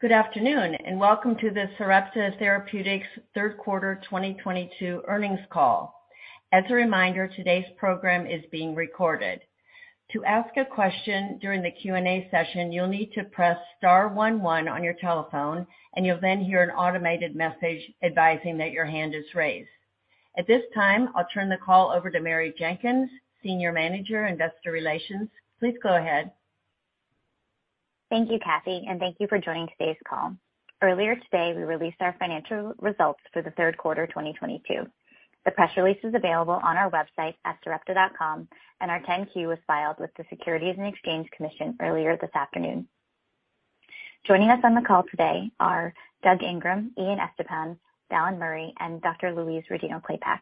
Good afternoon, and welcome to the Sarepta Therapeutics 3rd quarter 2022 earnings call. As a reminder, today's program is being recorded. To ask a question during the Q&A session, you'll need to press star one one on your telephone, and you'll then hear an automated message advising that your hand is raised. At this time, I'll turn the call over to Mary Jenkins, Senior Manager, Investor Relations. Please go ahead. Thank you, Kathy, and thank you for joining today's call. Earlier today, we released our financial results for the 3rd quarter, 2022. The press release is available on our website at sarepta.com, and our 10-Q was filed with the Securities and Exchange Commission earlier this afternoon. Joining us on the call today are Doug Ingram, Ian Estepan, Dallan Murray, and Dr. Louise Rodino-Klapac.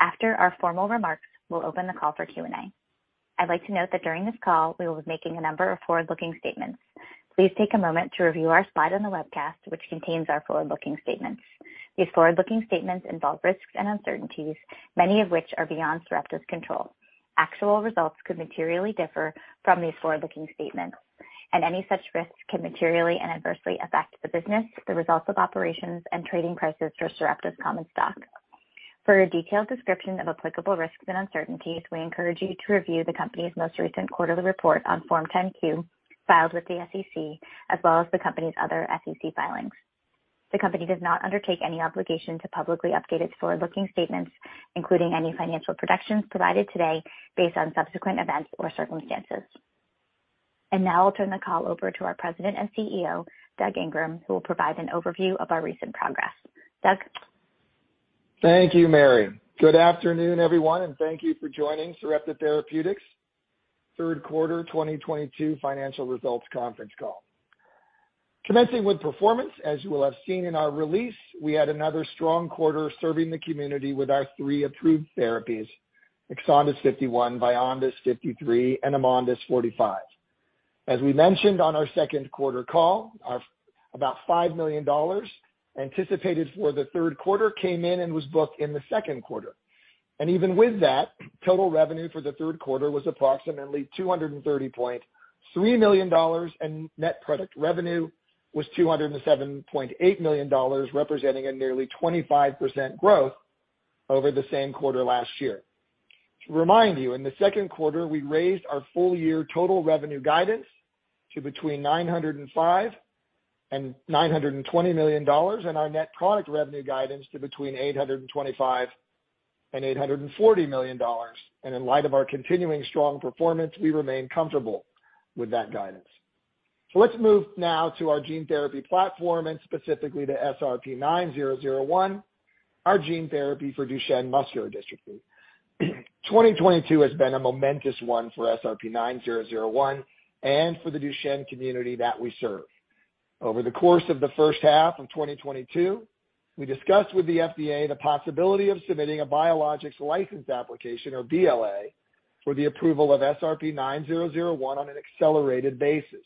After our formal remarks, we'll open the call for Q&A. I'd like to note that during this call we will be making a number of forward-looking statements. Please take a moment to review our slide on the webcast, which contains our forward-looking statements. These forward-looking statements involve risks and uncertainties, many of which are beyond Sarepta's control. Actual results could materially differ from these forward-looking statements, and any such risks can materially and adversely affect the business, the results of operations, and trading prices for Sarepta's common stock. For a detailed description of applicable risks and uncertainties, we encourage you to review the company's most recent quarterly report on Form 10-Q filed with the SEC, as well as the company's other SEC filings. The company does not undertake any obligation to publicly update its forward-looking statements, including any financial projections provided today based on subsequent events or circumstances. Now I'll turn the call over to our President and CEO, Doug Ingram, who will provide an overview of our recent progress. Doug? Thank you, Mary. Good afternoon, everyone, and thank you for joining Sarepta Therapeutics 3rd quarter 2022 financial results conference call. Commencing with performance, as you will have seen in our release, we had another strong quarter serving the community with our three approved therapies, EXONDYS 51, VYONDYS 53, and AMONDYS 45. As we mentioned on our 2nd quarter call, our about $5 million anticipated for the 3rd quarter came in and was booked in the 2nd quarter. Even with that, total revenue for the 3rd quarter was approximately $230.3 million, and net product revenue was $207.8 million, representing a nearly 25% growth over the same quarter last year. To remind you, in the 2nd quarter, we raised our full year total revenue guidance to between $905 million and $920 million, and our net product revenue guidance to between $825 million and $840 million. In light of our continuing strong performance, we remain comfortable with that guidance. Let's move now to our gene therapy platform and specifically to SRP-9001, our gene therapy for Duchenne muscular dystrophy. 2022 has been a momentous one for SRP-9001 and for the Duchenne community that we serve. Over the course of the first half of 2022, we discussed with the FDA the possibility of submitting a biologics license application or BLA for the approval of SRP-9001 on an accelerated basis.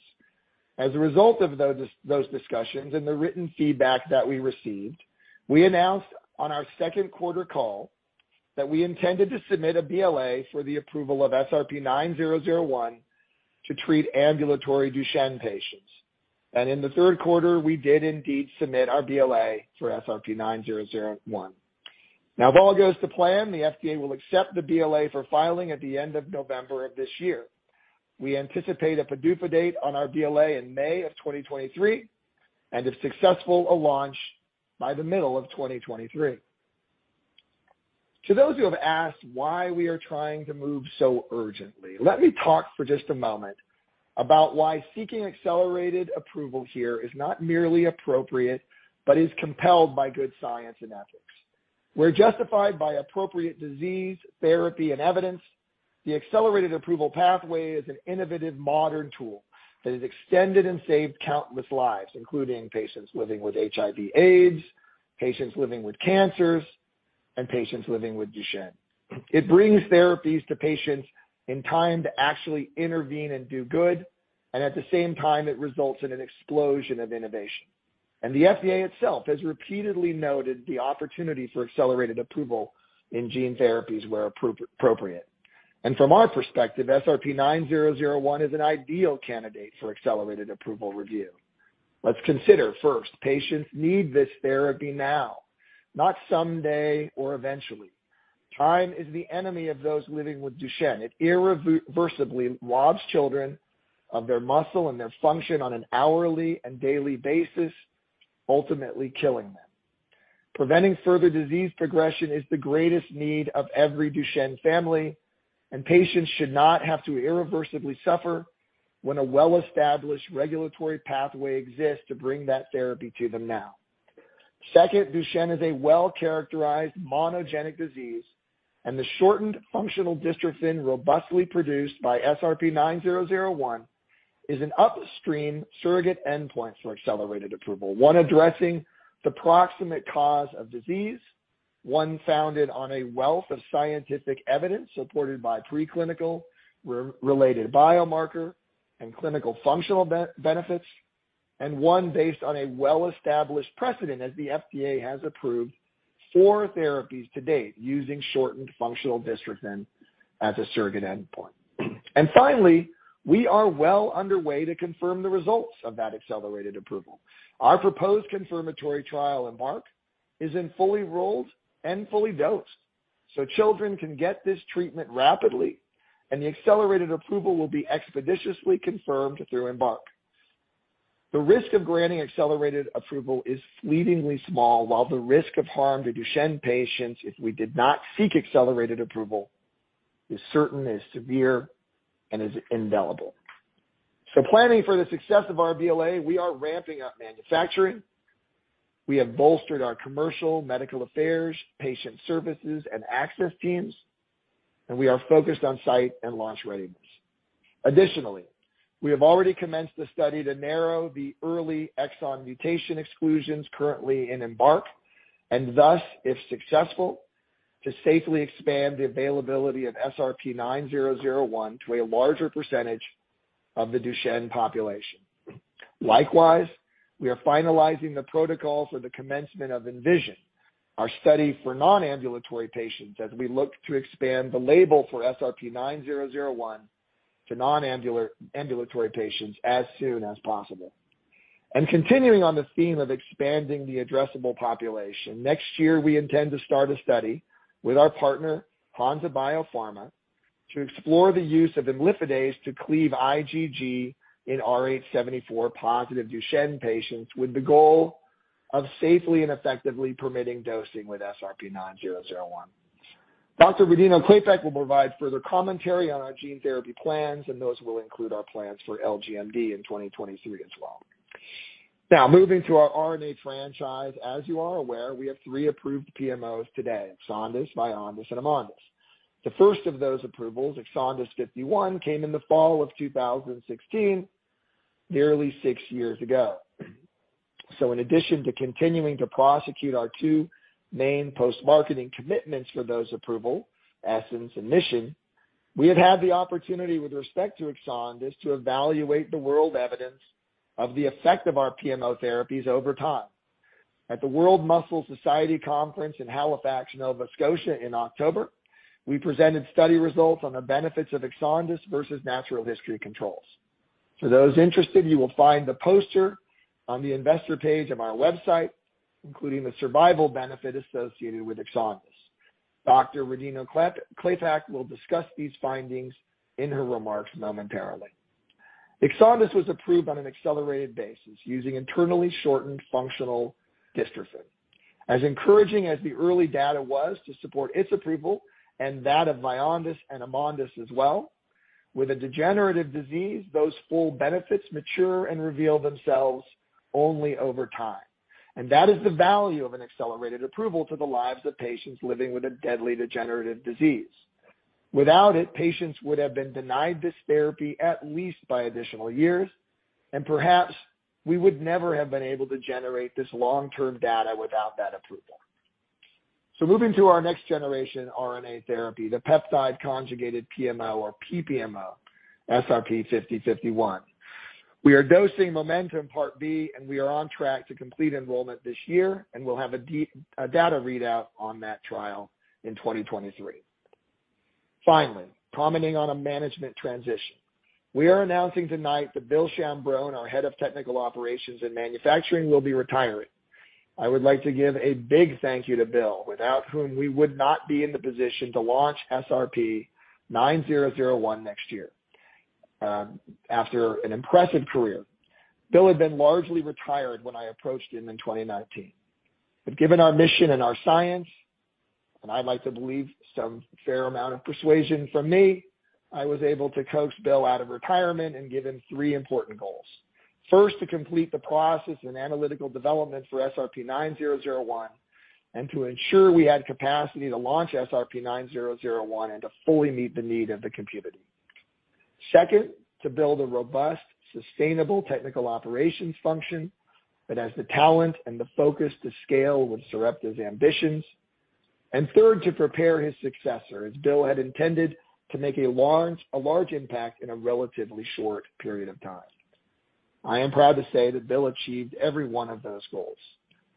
As a result of those discussions and the written feedback that we received, we announced on our 2nd quarter call that we intended to submit a BLA for the approval of SRP-9001 to treat ambulatory Duchenne patients. In the 3rd quarter, we did indeed submit our BLA for SRP-9001. Now, if all goes to plan, the FDA will accept the BLA for filing at the end of November of this year. We anticipate a PDUFA date on our BLA in May of 2023, and if successful, a launch by the middle of 2023. To those who have asked why we are trying to move so urgently, let me talk for just a moment about why seeking accelerated approval here is not merely appropriate, but is compelled by good science and ethics. Where justified by appropriate disease, therapy, and evidence, the accelerated approval pathway is an innovative modern tool that has extended and saved countless lives, including patients living with HIV AIDS, patients living with cancers, and patients living with Duchenne. It brings therapies to patients in time to actually intervene and do good, and at the same time, it results in an explosion of innovation. The FDA itself has repeatedly noted the opportunity for accelerated approval in gene therapies where appropriate. From our perspective, SRP-9001 is an ideal candidate for accelerated approval review. Let's consider first, patients need this therapy now, not someday or eventually. Time is the enemy of those living with Duchenne. It irreversibly robs children of their muscle and their function on an hourly and daily basis, ultimately killing them. Preventing further disease progression is the greatest need of every Duchenne family, and patients should not have to irreversibly suffer when a well-established regulatory pathway exists to bring that therapy to them now. Second, Duchenne is a well-characterized monogenic disease, and the shortened functional dystrophin robustly produced by SRP-9001 is an upstream surrogate endpoint for accelerated approval, one addressing the proximate cause of disease, one founded on a wealth of scientific evidence supported by preclinical related biomarker and clinical functional benefits, and one based on a well-established precedent as the FDA has approved four therapies to date using shortened functional dystrophin as a surrogate endpoint. Finally, we are well underway to confirm the results of that accelerated approval. Our proposed confirmatory trial, EMBARK, is fully enrolled and fully dosed, so children can get this treatment rapidly, and the accelerated approval will be expeditiously confirmed through EMBARK. The risk of granting accelerated approval is fleetingly small, while the risk of harm to Duchenne patients if we did not seek accelerated approval is certain, is severe, and is indelible. Planning for the success of our BLA, we are ramping up manufacturing. We have bolstered our commercial, medical affairs, patient services, and access teams, and we are focused on site and launch readiness. Additionally, we have already commenced the study to narrow the early exon mutation exclusions currently in EMBARK, and thus, if successful, to safely expand the availability of SRP-9001 to a larger percentage of the Duchenne population. Likewise, we are finalizing the protocols for the commencement of ENVISION, our study for non-ambulatory patients as we look to expand the label for SRP-9001 to non-ambulatory patients as soon as possible. Continuing on the theme of expanding the addressable population, next year we intend to start a study with our partner, Hansa Biopharma, to explore the use of imlifidase to cleave IgG in RH74-positive Duchenne patients with the goal of safely and effectively permitting dosing with SRP-9001. Dr. Louise Rodino-Klapac will provide further commentary on our gene therapy plans, and those will include our plans for LGMD in 2023 as well. Now, moving to our RNA franchise, as you are aware, we have three approved PMOs today, EXONDYS 51, VYONDYS 53, and AMONDYS 45. The first of those approvals, EXONDYS 51, came in the fall of 2016, nearly 6 years ago. In addition to continuing to prosecute our two main post-marketing commitments for those approvals, ESSENCE and MISSION, we have had the opportunity with respect to EXONDYS to evaluate the real-world evidence of the effect of our PMO therapies over time. At the World Muscle Society Congress in Halifax, Nova Scotia, in October, we presented study results on the benefits of EXONDYS versus natural history controls. For those interested, you will find the poster on the investor page of our website, including the survival benefit associated with EXONDYS. Dr. Louise Rodino-Klapac will discuss these findings in her remarks momentarily. EXONDYS was approved on an accelerated basis using internally shortened functional dystrophin. As encouraging as the early data was to support its approval, and that of VYONDYS and AMONDYS as well, with a degenerative disease, those full benefits mature and reveal themselves only over time. That is the value of an accelerated approval to the lives of patients living with a deadly degenerative disease. Without it, patients would have been denied this therapy at least two additional years. Perhaps we would never have been able to generate this long-term data without that approval. Moving to our next generation RNA therapy, the peptide conjugated PMO or PPMO, SRP-5051. We are dosing MOMENTUM Part B, and we are on track to complete enrollment this year. We'll have a data readout on that trial in 2023. Finally, commenting on a management transition. We are announcing tonight that Bill Shambrow, our head of technical operations and manufacturing, will be retiring. I would like to give a big thank you to Bill, without whom we would not be in the position to launch SRP-9001 next year. After an impressive career, Bill had been largely retired when I approached him in 2019. Given our mission and our science, and I'd like to believe some fair amount of persuasion from me, I was able to coax Bill out of retirement and give him three important goals. First, to complete the process and analytical development for SRP-9001, and to ensure we had capacity to launch SRP-9001 and to fully meet the need of the community. Second, to build a robust, sustainable technical operations function that has the talent and the focus to scale with Sarepta's ambitions. Third, to prepare his successor, as Bill had intended to make a large impact in a relatively short period of time. I am proud to say that Bill achieved every one of those goals.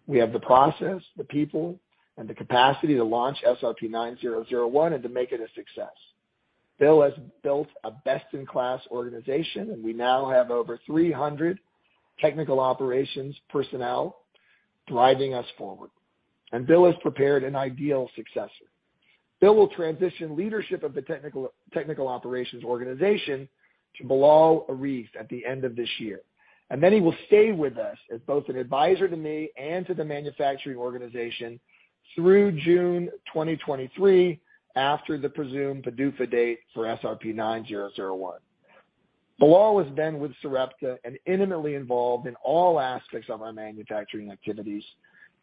We have the process, the people, and the capacity to launch SRP-9001 and to make it a success. Bill has built a best-in-class organization, and we now have over 300 technical operations personnel driving us forward. Bill has prepared an ideal successor. Bill will transition leadership of the technical operations organization to Bilal Arif at the end of this year. He will stay with us as both an advisor to me and to the manufacturing organization through June 2023 after the presumed PDUFA date for SRP-9001. Bilal has been with Sarepta and intimately involved in all aspects of our manufacturing activities,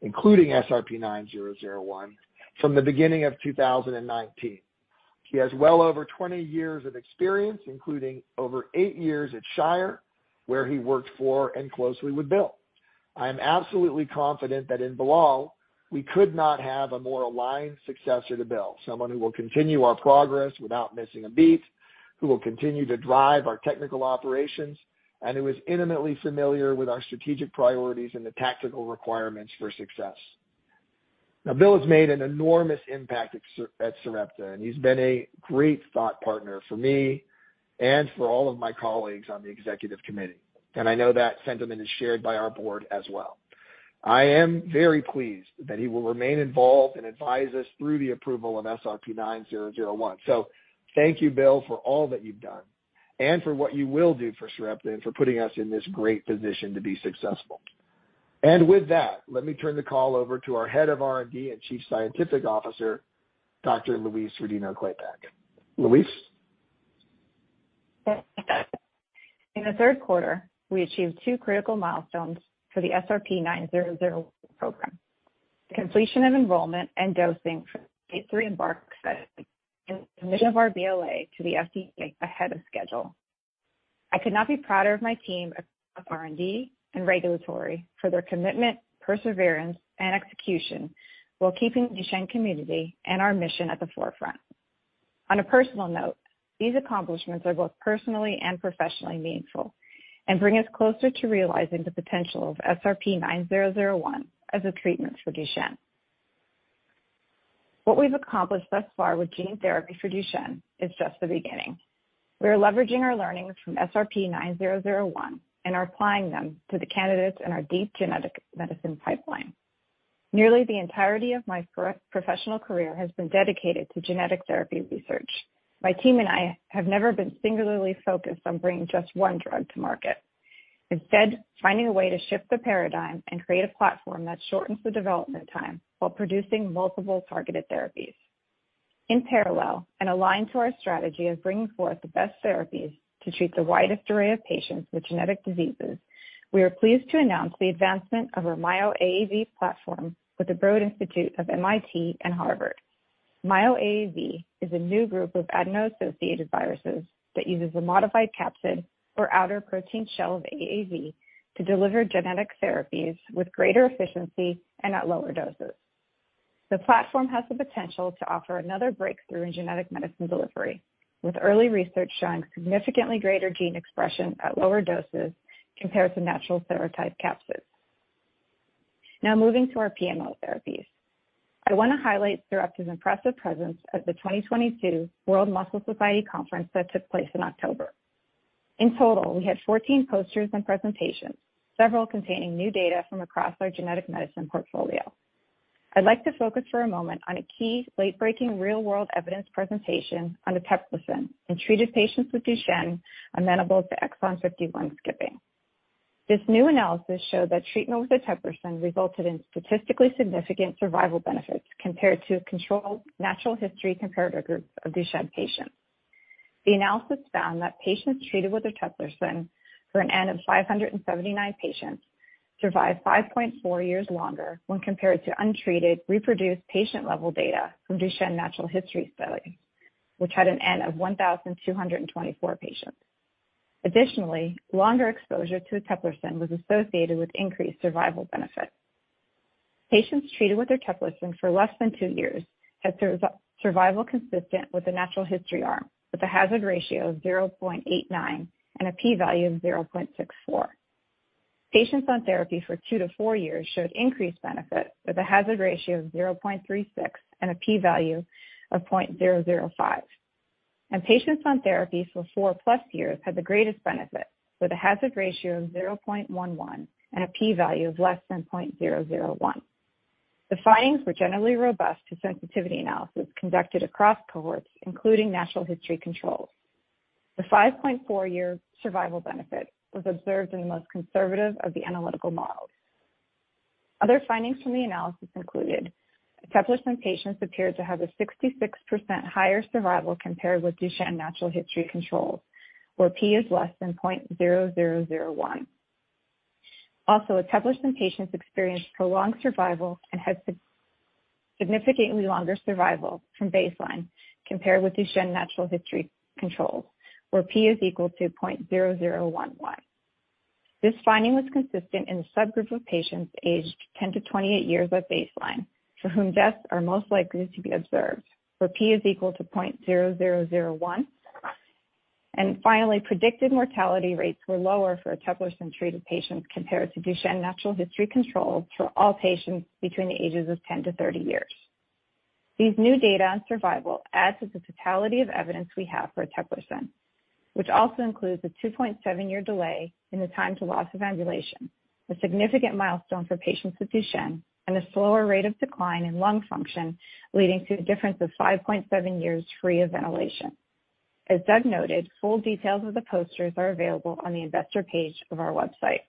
including SRP-9001, from the beginning of 2019. He has well over 20 years of experience, including over 8 years at Shire, where he worked for and closely with Bill. I am absolutely confident that in Bilal we could not have a more aligned successor to Bill, someone who will continue our progress without missing a beat, who will continue to drive our technical operations, and who is intimately familiar with our strategic priorities and the tactical requirements for success. Now Bill has made an enormous impact at Sarepta, and he's been a great thought partner for me and for all of my colleagues on the executive committee. I know that sentiment is shared by our board as well. I am very pleased that he will remain involved and advise us through the approval of SRP-9001. Thank you, Bill, for all that you've done and for what you will do for Sarepta and for putting us in this great position to be successful. With that, let me turn the call over to our Head of R&D and Chief Scientific Officer, Dr. Louise Rodino-Klapac. Louise? In the 3rd quarter, we achieved two critical milestones for the SRP-9001 program. The completion of enrollment and dosing for Phase 3 EMBARK study and submission of our BLA to the FDA ahead of schedule. I could not be prouder of my team of R&D and regulatory for their commitment, perseverance, and execution while keeping Duchenne community and our mission at the forefront. On a personal note, these accomplishments are both personally and professionally meaningful and bring us closer to realizing the potential of SRP-9001 as a treatment for Duchenne. What we've accomplished thus far with gene therapy for Duchenne is just the beginning. We are leveraging our learnings from SRP-9001 and are applying them to the candidates in our deep genetic medicine pipeline. Nearly the entirety of my professional career has been dedicated to genetic therapy research. My team and I have never been singularly focused on bringing just one drug to market. Instead, finding a way to shift the paradigm and create a platform that shortens the development time while producing multiple targeted therapies. In parallel and aligned to our strategy of bringing forth the best therapies to treat the widest array of patients with genetic diseases, we are pleased to announce the advancement of our MyoAAV platform with the Broad Institute of MIT and Harvard. MyoAAV is a new group of adeno-associated viruses that uses a modified capsid or outer protein shell of AAV to deliver genetic therapies with greater efficiency and at lower doses. The platform has the potential to offer another breakthrough in genetic medicine delivery, with early research showing significantly greater gene expression at lower doses compared to natural serotype capsids. Now moving to our PMO therapies. I wanna highlight Sarepta's impressive presence at the 2022 World Muscle Society Congress that took place in October. In total, we had 14 posters and presentations, several containing new data from across our genetic medicine portfolio. I'd like to focus for a moment on a key late-breaking real-world evidence presentation on eteplirsen in treated patients with Duchenne amenable to exon 51 skipping. This new analysis showed that treatment with eteplirsen resulted in statistically significant survival benefits compared to a control natural history comparator group of Duchenne patients. The analysis found that patients treated with eteplirsen for an N of 579 patients survived 5.4 years longer when compared to untreated reproduced patient-level data from Duchenne natural history study, which had an N of 1,224 patients. Additionally, longer exposure to eteplirsen was associated with increased survival benefit. Patients treated with eteplirsen for less than 2 years had survival consistent with the natural history arm, with a hazard ratio of 0.89 and a P value of 0.64. Patients on therapy for 2 to four years showed increased benefit with a hazard ratio of 0.36 and a P value of 0.005. Patients on therapy for four-plus years had the greatest benefit, with a hazard ratio of 0.11 and a P value of less than 0.001. The findings were generally robust to sensitivity analysis conducted across cohorts, including natural history controls. The 5.4-year survival benefit was observed in the most conservative of the analytical models. Other findings from the analysis included eteplirsen patients appeared to have a 66% higher survival compared with Duchenne natural history controls, where P is less than 0.0001. Also, eteplirsen patients experienced prolonged survival and had significantly longer survival from baseline compared with Duchenne natural history controls, where P is equal to 0.0011. This finding was consistent in the subgroup of patients aged 10 to 28 years at baseline, for whom deaths are most likely to be observed, where P is equal to 0.0001. Finally, predicted mortality rates were lower for eteplirsen-treated patients compared to Duchenne natural history controls for all patients between the ages of 10 to 30 years. These new data on survival add to the totality of evidence we have for eteplirsen, which also includes a 2.7-year delay in the time to loss of ambulation, a significant milestone for patients with Duchenne, and a slower rate of decline in lung function, leading to a difference of 5.7 years free of ventilation. As Doug noted, full details of the posters are available on the investor page of our website.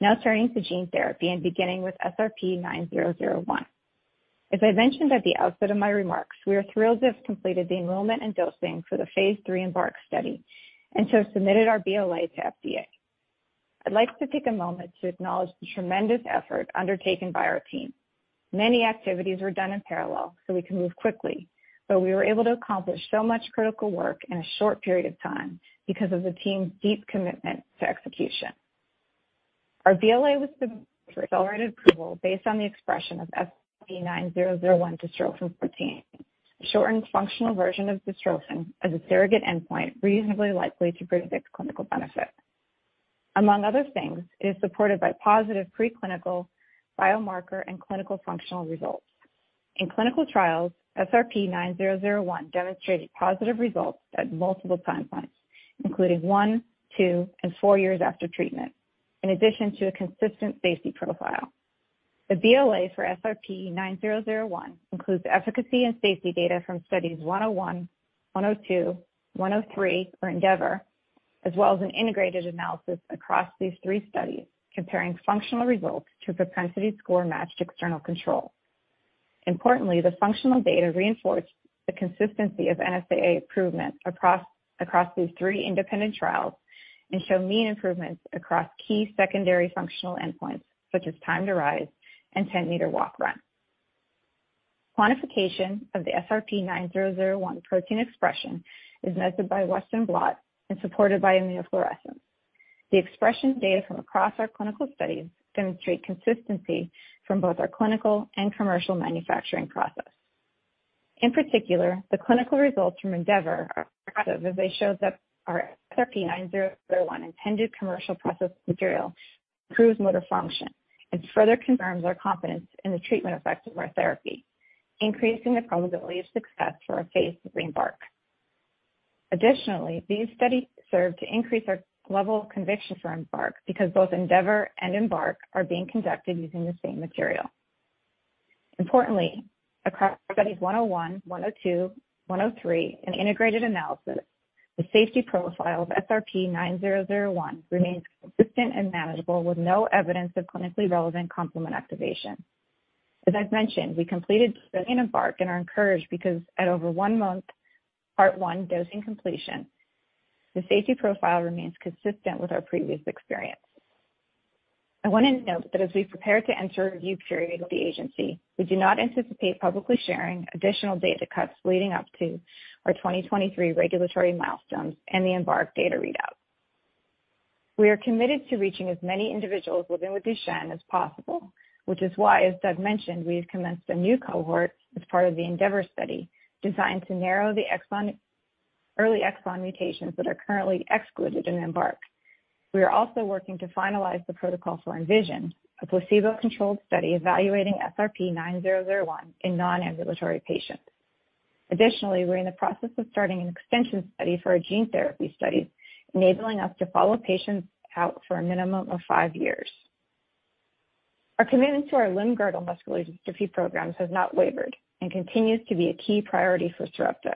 Now turning to gene therapy and beginning with SRP-9001. As I mentioned at the outset of my remarks, we are thrilled to have completed the enrollment and dosing for the phase 3 EMBARK study, and so have submitted our BLA to FDA. I'd like to take a moment to acknowledge the tremendous effort undertaken by our team. Many activities were done in parallel so we can move quickly, but we were able to accomplish so much critical work in a short period of time because of the team's deep commitment to execution. Our BLA was submitted for accelerated approval based on the expression of SRP-9001 dystrophin protein, a shortened functional version of dystrophin, as a surrogate endpoint reasonably likely to predict clinical benefit. Among other things, it is supported by positive preclinical biomarker and clinical functional results. In clinical trials, SRP-9001 demonstrated positive results at multiple time points, including 1, 2, and 4 years after treatment, in addition to a consistent safety profile. The BLA for SRP-9001 includes efficacy and safety data from studies 101, 102, 103 for ENDEAVOR, as well as an integrated analysis across these three studies comparing functional results to propensity-score matched external control. Importantly, the functional data reinforced the consistency of NSAA improvement across these 3 independent trials and show mean improvements across key secondary functional endpoints, such as time to rise and ten-meter walk/run. Quantification of the SRP-9001 protein expression is measured by Western blot and supported by immunofluorescence. The expression data from across our clinical studies demonstrate consistency from both our clinical and commercial manufacturing process. In particular, the clinical results from ENDEAVOR are impressive as they showed that our SRP-9001 intended commercial process material improves motor function and further confirms our confidence in the treatment effect of our therapy, increasing the probability of success for our phase 3 EMBARK. Additionally, these studies serve to increase our level of conviction for EMBARK because both ENDEAVOR and EMBARK are being conducted using the same material. Importantly, across studies 101, 102, 103, an integrated analysis, the safety profile of SRP-9001 remains consistent and manageable with no evidence of clinically relevant complement activation. As I've mentioned, we completed screening EMBARK and are encouraged because at over 1 month, Part 1 dosing completion, the safety profile remains consistent with our previous experience. I wanna note that as we prepare to enter a review period with the agency, we do not anticipate publicly sharing additional data cuts leading up to our 2023 regulatory milestones and the EMBARK data readout. We are committed to reaching as many individuals living with Duchenne as possible, which is why, as Doug mentioned, we have commenced a new cohort as part of the ENDEAVOR study, designed to narrow the early exon mutations that are currently excluded in EMBARK. We are also working to finalize the protocol for ENVISION, a placebo-controlled study evaluating SRP-9001 in non-ambulatory patients. Additionally, we're in the process of starting an extension study for our gene therapy studies, enabling us to follow patients out for a minimum of 5 years. Our commitment to our limb-girdle muscular dystrophy programs has not wavered and continues to be a key priority for Sarepta.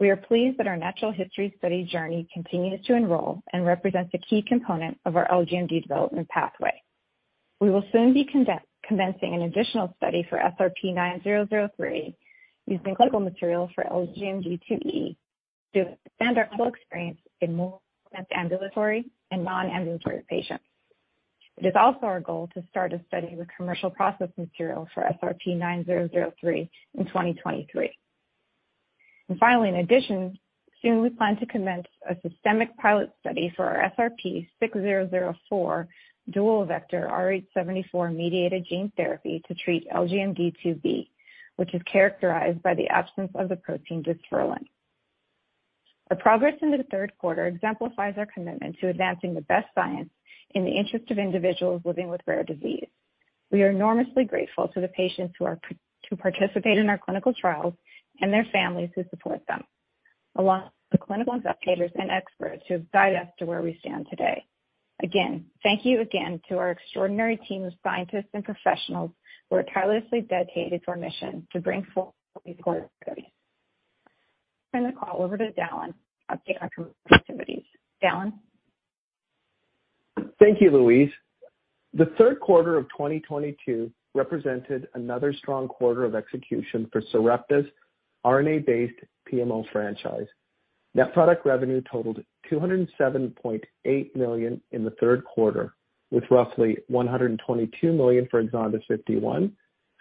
We are pleased that our natural history study JOURNEY continues to enroll and represents a key component of our LGMD development pathway. We will soon be commencing an additional study for SRP-9003 using clinical material for LGMD2E to expand our clinical experience in more advanced ambulatory and non-ambulatory patients. It is also our goal to start a study with commercial process material for SRP-9003 in 2023. Finally, in addition, soon we plan to commence a systemic pilot study for our SRP-6004 dual vector RH74-mediated gene therapy to treat LGMD2B, which is characterized by the absence of the protein dysferlin. Our progress in the 3rd quarter exemplifies our commitment to advancing the best science in the interest of individuals living with rare disease. We are enormously grateful to the patients who are to participate in our clinical trials and their families who support them, along with the clinical investigators and experts who have guided us to where we stand today. Again, thank you to our extraordinary team of scientists and professionals who are tirelessly dedicated to our mission to bring forward these. Turn the call over to Dallan to update our commercial activities. Dallan? Thank you, Louise. The 3rd quarter of 2022 represented another strong quarter of execution for Sarepta's RNA-based PMO franchise. Net product revenue totaled $207.8 million in the 3rd quarter, with roughly $122 million for EXONDYS 51,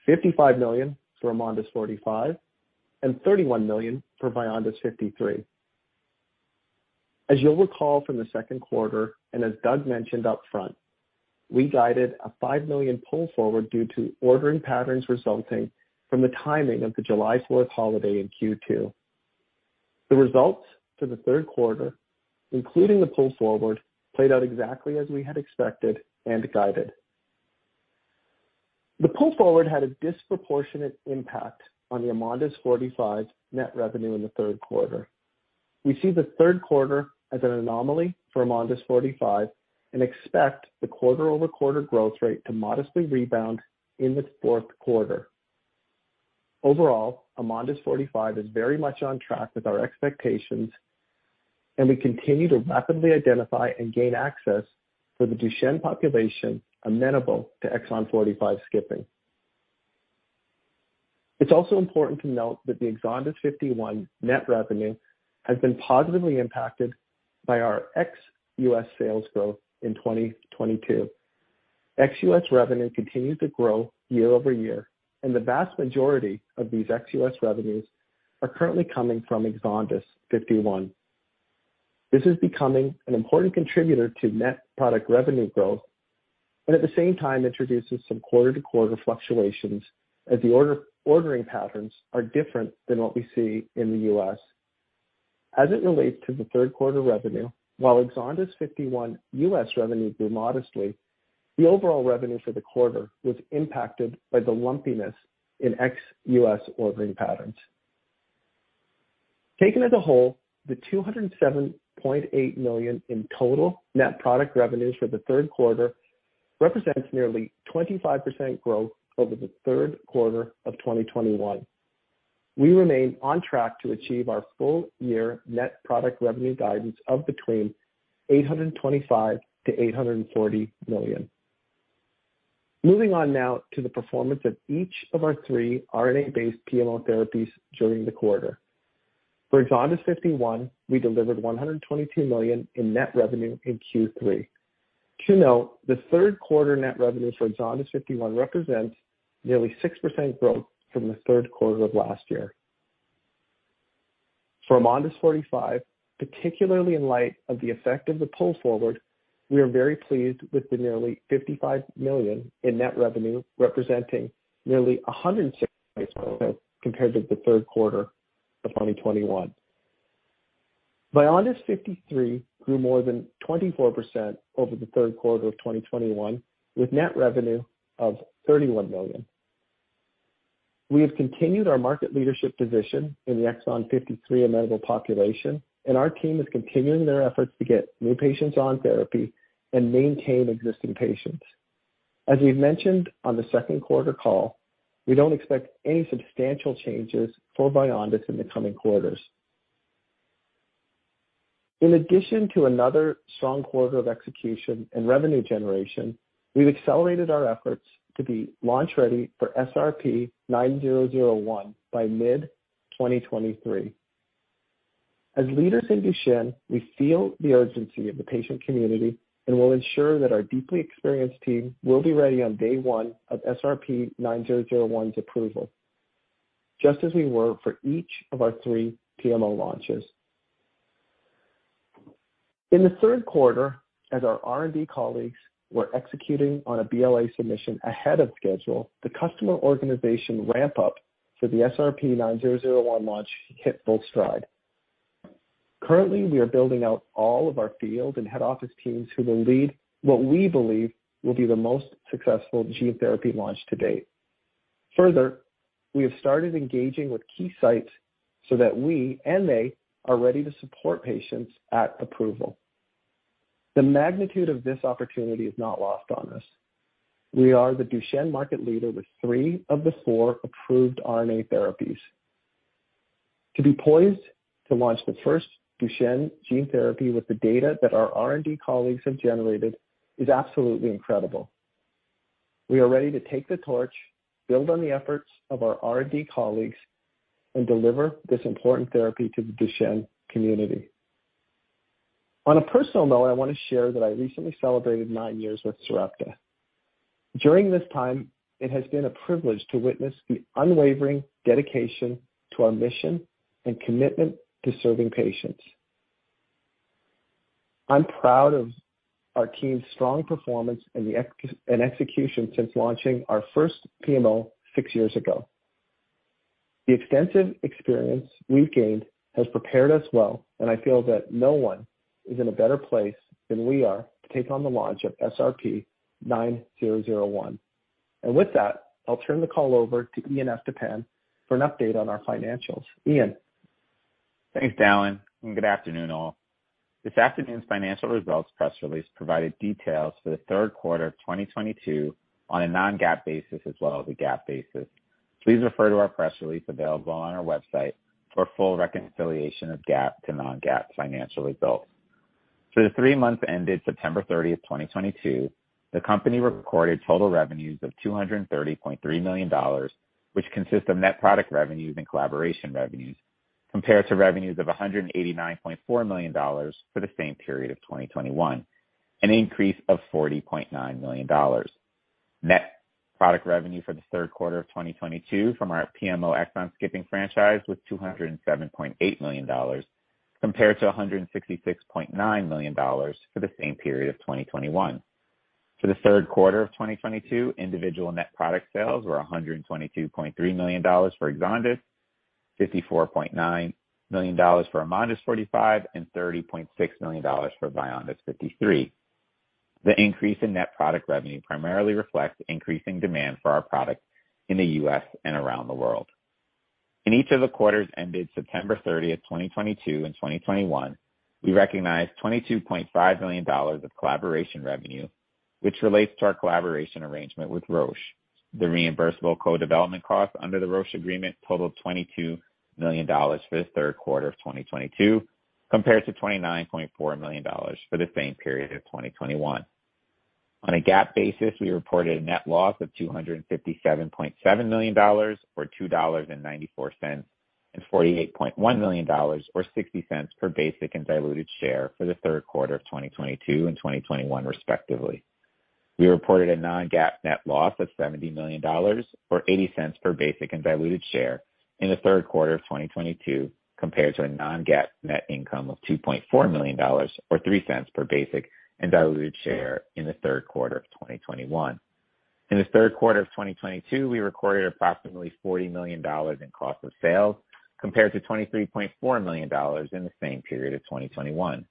$55 million for AMONDYS 45, and $31 million for VYONDYS 53. As you'll recall from the 2nd quarter, and as Doug mentioned up front, we guided a $5 million pull forward due to ordering patterns resulting from the timing of the July 4 holiday in Q2. The results for the 3rd quarter, including the pull forward, played out exactly as we had expected and guided. The pull forward had a disproportionate impact on the AMONDYS 45 net revenue in the 3rd quarter. We see the 3rd quarter as an anomaly for AMONDYS 45 and expect the quarter-over-quarter growth rate to modestly rebound in the 4th quarter. Overall, AMONDYS 45 is very much on track with our expectations, and we continue to rapidly identify and gain access for the Duchenne population amenable to exon 45 skipping. It's also important to note that the EXONDYS 51 net revenue has been positively impacted by our ex-U.S. sales growth in 2022. Ex-U.S. revenue continues to grow year-over-year, and the vast majority of these ex-U.S. revenues are currently coming from EXONDYS 51. This is becoming an important contributor to net product revenue growth and at the same time introduces some quarter-to-quarter fluctuations as the ordering patterns are different than what we see in the U.S. As it relates to the 3rd quarter revenue, while EXONDYS 51 U.S. Revenue grew modestly, the overall revenue for the quarter was impacted by the lumpiness in ex-U.S. ordering patterns. Taken as a whole, the $207.8 million in total net product revenues for the 3rd quarter represents nearly 25% growth over the 3rd quarter of 2021. We remain on track to achieve our full year net product revenue guidance of between $825 million-$840 million. Moving on now to the performance of each of our three RNA-based PMO therapies during the quarter. For EXONDYS 51, we delivered $122 million in net revenue in Q3. To note, the 3rd quarter net revenue for EXONDYS 51 represents nearly 6% growth from the 3rd quarter of last year. For AMONDYS 45, particularly in light of the effect of the pull forward, we are very pleased with the nearly $55 million in net revenue, representing nearly 160 compared to the 3rd quarter of 2021. VYONDYS 53 grew more than 24% over the 3rd quarter of 2021, with net revenue of $31 million. We have continued our market leadership position in the exon 53 amenable population, and our team is continuing their efforts to get new patients on therapy and maintain existing patients. As we've mentioned on the 2nd quarter call, we don't expect any substantial changes for VYONDYS in the coming quarters. In addition to another strong quarter of execution and revenue generation, we've accelerated our efforts to be launch ready for SRP-9001 by mid-2023. As leaders in Duchenne, we feel the urgency of the patient community and will ensure that our deeply experienced team will be ready on day one of SRP-9001's approval, just as we were for each of our 3 PMO launches. In the 3rd quarter, as our R&D colleagues were executing on a BLA submission ahead of schedule, the customer organization ramp up for the SRP-9001 launch hit full stride. Currently, we are building out all of our field and head office teams who will lead what we believe will be the most successful gene therapy launch to date. Further, we have started engaging with key sites so that we and they are ready to support patients at approval. The magnitude of this opportunity is not lost on us. We are the Duchenne market leader with 3 of the 4 approved RNA therapies. To be poised to launch the first Duchenne gene therapy with the data that our R&D colleagues have generated is absolutely incredible. We are ready to take the torch, build on the efforts of our R&D colleagues, and deliver this important therapy to the Duchenne community. On a personal note, I want to share that I recently celebrated 9 years with Sarepta. During this time, it has been a privilege to witness the unwavering dedication to our mission and commitment to serving patients. I'm proud of our team's strong performance and the execution since launching our first PMO 6 years ago. The extensive experience we've gained has prepared us well, and I feel that no one is in a better place than we are to take on the launch of SRP-9001. With that, I'll turn the call over to Ian Estepan. Ian Estepan for an update on our financials. Ian. Thanks, Dallan, and good afternoon all. This afternoon's financial results press release provided details for the 3rd quarter of 2022 on a non-GAAP basis as well as a GAAP basis. Please refer to our press release available on our website for full reconciliation of GAAP to non-GAAP financial results. For the 3 months ended September 30, 2022, the company recorded total revenues of $230.3 million, which consists of net product revenues and collaboration revenues, compared to revenues of $189.4 million for the same period of 2021, an increase of $40.9 million. Net product revenue for the 3rd quarter of 2022 from our PMO exon skipping franchise was $207.8 million, compared to $166.9 million for the same period of 2021. For the 3rd quarter of 2022, individual net product sales were $122.3 million for EXONDYS, $54.9 million for AMONDYS 45, and $30.6 million for VYONDYS 53. The increase in net product revenue primarily reflects increasing demand for our products in the U.S. and around the world. In each of the quarters ended September 30, 2022 and 2021, we recognized $22.5 million of collaboration revenue, which relates to our collaboration arrangement with Roche. The reimbursable co-development costs under the Roche agreement totaled $22 million for the 3rd quarter of 2022, compared to $29.4 million for the same period of 2021. On a GAAP basis, we reported a net loss of $257.7 million, or $2.94, and $48.1 million, or $0.60 per basic and diluted share for the 3rd quarter of 2022 and 2021 respectively. We reported a non-GAAP net loss of $70 million, or $0.80 per basic and diluted share in the 3rd quarter of 2022 compared to our non-GAAP net income of $2.4 million or $0.03 per basic and diluted share in the 3rd quarter of 2021. In the 3rd quarter of 2022, we recorded approximately $40 million in cost of sales compared to $23.4 million in the same period of 2021.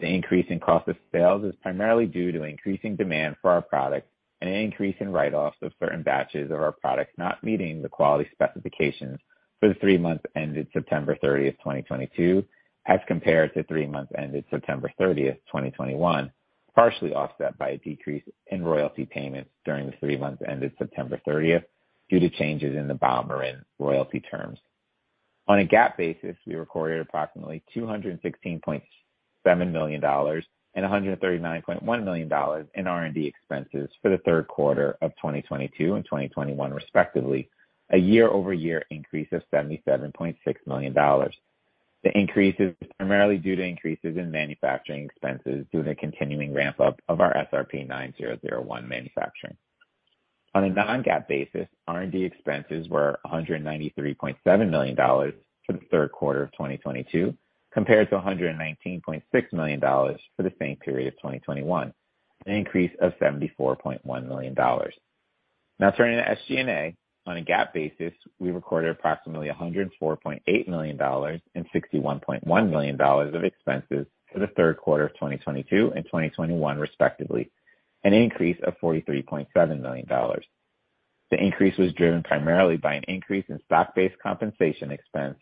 The increase in cost of sales is primarily due to increasing demand for our products and an increase in write-offs of certain batches of our products not meeting the quality specifications for the three months ended September 30, 2022, as compared to three months ended September 30, 2021, partially offset by a decrease in royalty payments during the three months ended September 30 due to changes in the BioMarin royalty terms. On a GAAP basis, we recorded approximately $216.7 million and $139.1 million in R&D expenses for the 3rd quarter of 2022 and 2021 respectively, a year-over-year increase of $77.6 million. The increase is primarily due to increases in manufacturing expenses due to the continuing ramp-up of our SRP-9001 manufacturing. On a non-GAAP basis, R&D expenses were $193.7 million for the 3rd quarter of 2022 compared to $119.6 million for the same period of 2021, an increase of $74.1 million. Now turning to SG&A. On a GAAP basis, we recorded approximately $104.8 million and $61.1 million of expenses for the 3rd quarter of 2022 and 2021 respectively, an increase of $43.7 million. The increase was driven primarily by an increase in stock-based compensation expense,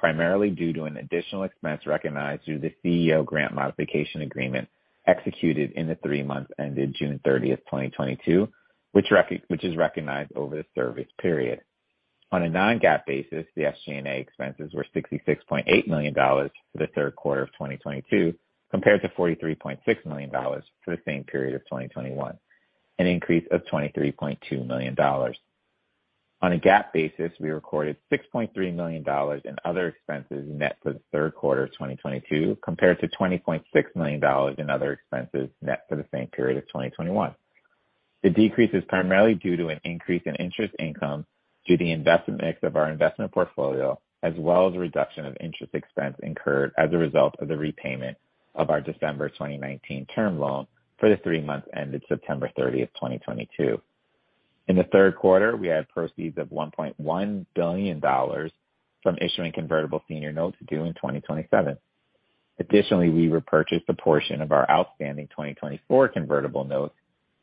primarily due to an additional expense recognized through the CEO grant modification agreement executed in the three months ended June 30, 2022, which is recognized over the service period. On a non-GAAP basis, the SG&A expenses were $66.8 million for the 3rd quarter of 2022 compared to $43.6 million for the same period of 2021, an increase of $23.2 million. On a GAAP basis, we recorded $6.3 million in other expenses net for the 3rd quarter of 2022 compared to $20.6 million in other expenses net for the same period of 2021. The decrease is primarily due to an increase in interest income due to the investment mix of our investment portfolio as well as a reduction of interest expense incurred as a result of the repayment of our December 2019 term loan for the three months ended September 30, 2022. In the 3rd quarter, we had proceeds of $1.1 billion from issuing convertible senior notes due in 2027. Additionally, we repurchased a portion of our outstanding 2024 convertible notes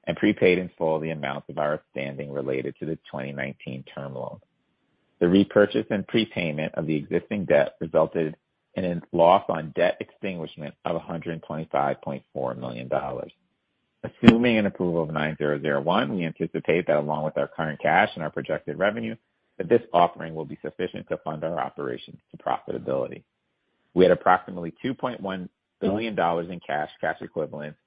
and prepaid in full the amounts of our outstanding related to the 2019 term loan. The repurchase and prepayment of the existing debt resulted in a loss on debt extinguishment of $125.4 million. Assuming an approval of 9001, we anticipate that along with our current cash and our projected revenue, that this offering will be sufficient to fund our operations to profitability. We had approximately $2.1 billion in cash equivalents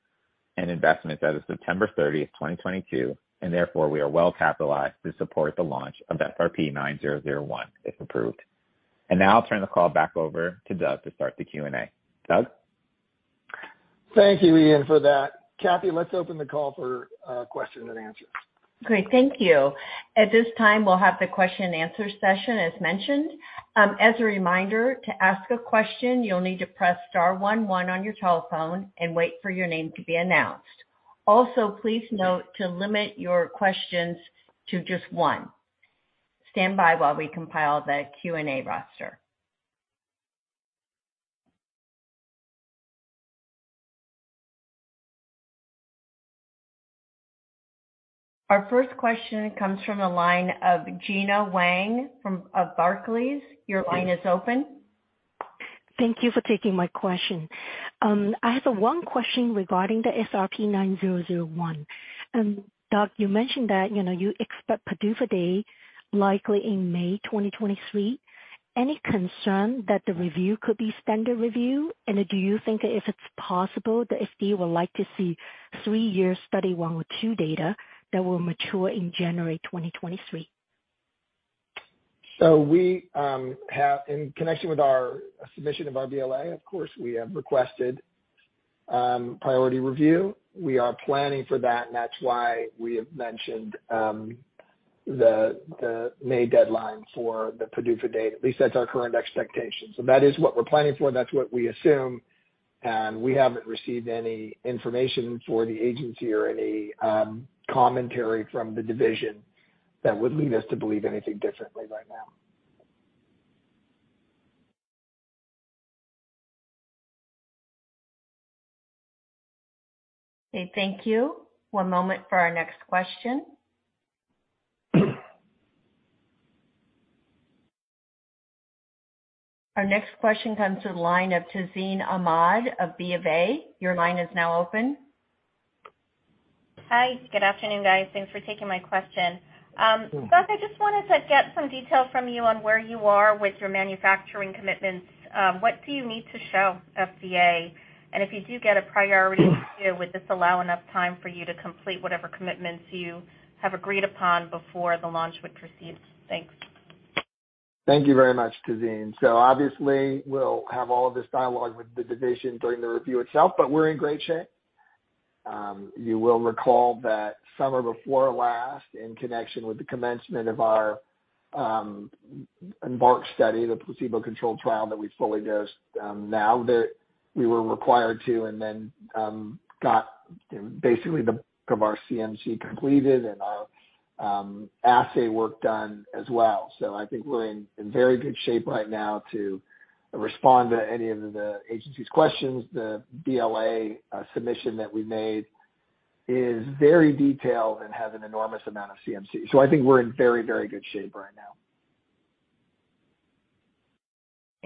and investments as of September 30, 2022, and therefore, we are well capitalized to support the launch of SRP-9001 if approved. Now I'll turn the call back over to Doug to start the Q&A. Doug? Thank you, Ian, for that. Kathy, let's open the call for questions and answers. Great. Thank you. At this time, we'll have the question and answer session as mentioned. As a reminder, to ask a question, you'll need to press star one one on your telephone and wait for your name to be announced. Also, please note to limit your questions to just one. Stand by while we compile the Q&A roster. Our first question comes from the line of Gena Wang of Barclays. Your line is open. Thank you for taking my question. I have one question regarding the SRP-9001. Doug, you mentioned that, you know, you expect PDUFA date likely in May 2023. Any concern that the review could be standard review? Do you think if it's possible the FDA would like to see 3-year study 1 or 2 data that will mature in January 2023? We have in connection with our submission of our BLA, of course, we have requested priority review. We are planning for that, and that's why we have mentioned the May deadline for the PDUFA date. At least that's our current expectation. That is what we're planning for. That's what we assume. We haven't received any information for the agency or any commentary from the division that would lead us to believe anything differently right now. Okay, thank you. One moment for our next question. Our next question comes to the line of Tazeen Ahmad of BofA. Your line is now open. Hi. Good afternoon, guys. Thanks for taking my question. Doug, I just wanted to get some detail from you on where you are with your manufacturing commitments. What do you need to show FDA? If you do get a priority review, would this allow enough time for you to complete whatever commitments you have agreed upon before the launch would proceed? Thanks. Thank you very much, Tazeen. Obviously, we'll have all of this dialogue with the division during the review itself, but we're in great shape. You will recall that summer before last, in connection with the commencement of our EMBARK study, the placebo-controlled trial that we fully dosed, now that we were required to and then got basically of our CMC completed and our assay work done as well. I think we're in very good shape right now to respond to any of the agency's questions. The BLA submission that we made is very detailed and has an enormous amount of CMC. I think we're in very, very good shape right now.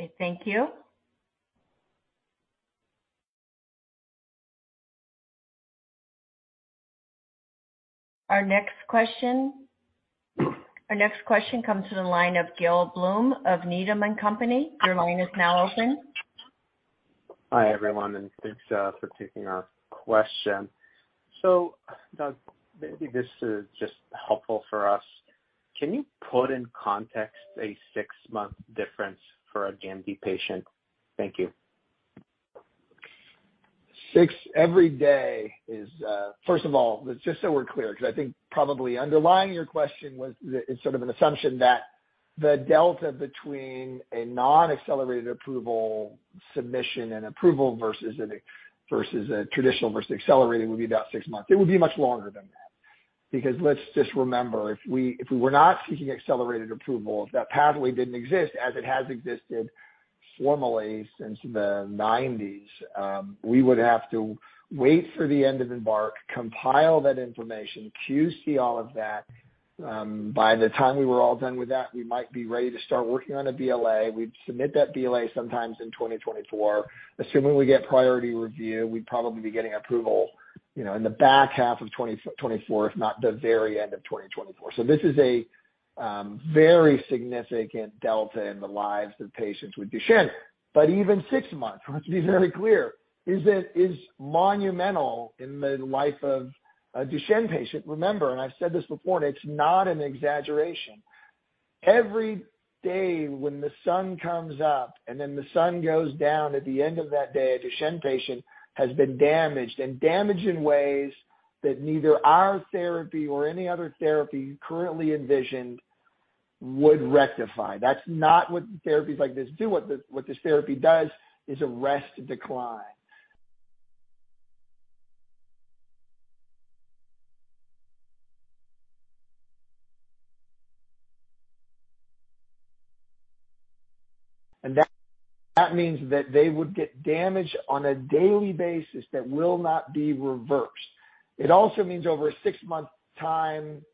Okay, thank you. Our next question comes to the line of Gil Blum of Needham & Company. Your line is now open. Hi, everyone, and thanks for taking our question. Doug, maybe this is just helpful for us. Can you put in context a six-month difference for a DMD patient? Thank you. First of all, just so we're clear, because I think probably underlying your question was is sort of an assumption that the delta between a non-accelerated approval submission and approval versus a traditional versus accelerated would be about 6 months. It would be much longer than that, because let's just remember, if we were not seeking accelerated approval, if that pathway didn't exist as it has existed formally since the nineties, we would have to wait for the end of EMBARK, compile that information, QC all of that. By the time we were all done with that, we might be ready to start working on a BLA. We'd submit that BLA sometime in 2024. Assuming we get priority review, we'd probably be getting approval, you know, in the back half of 2024, if not the very end of 2024. This is a very significant delta in the lives of patients with Duchenne. Even 6 months, let's be very clear, is monumental in the life of a Duchenne patient. Remember, I've said this before, and it's not an exaggeration, every day when the sun comes up and then the sun goes down at the end of that day, a Duchenne patient has been damaged, and damaged in ways that neither our therapy or any other therapy currently envisioned would rectify. That's not what therapies like this do. What this therapy does is arrest decline. That means that they would get damage on a daily basis that will not be reversed. It also means over a 6 month time,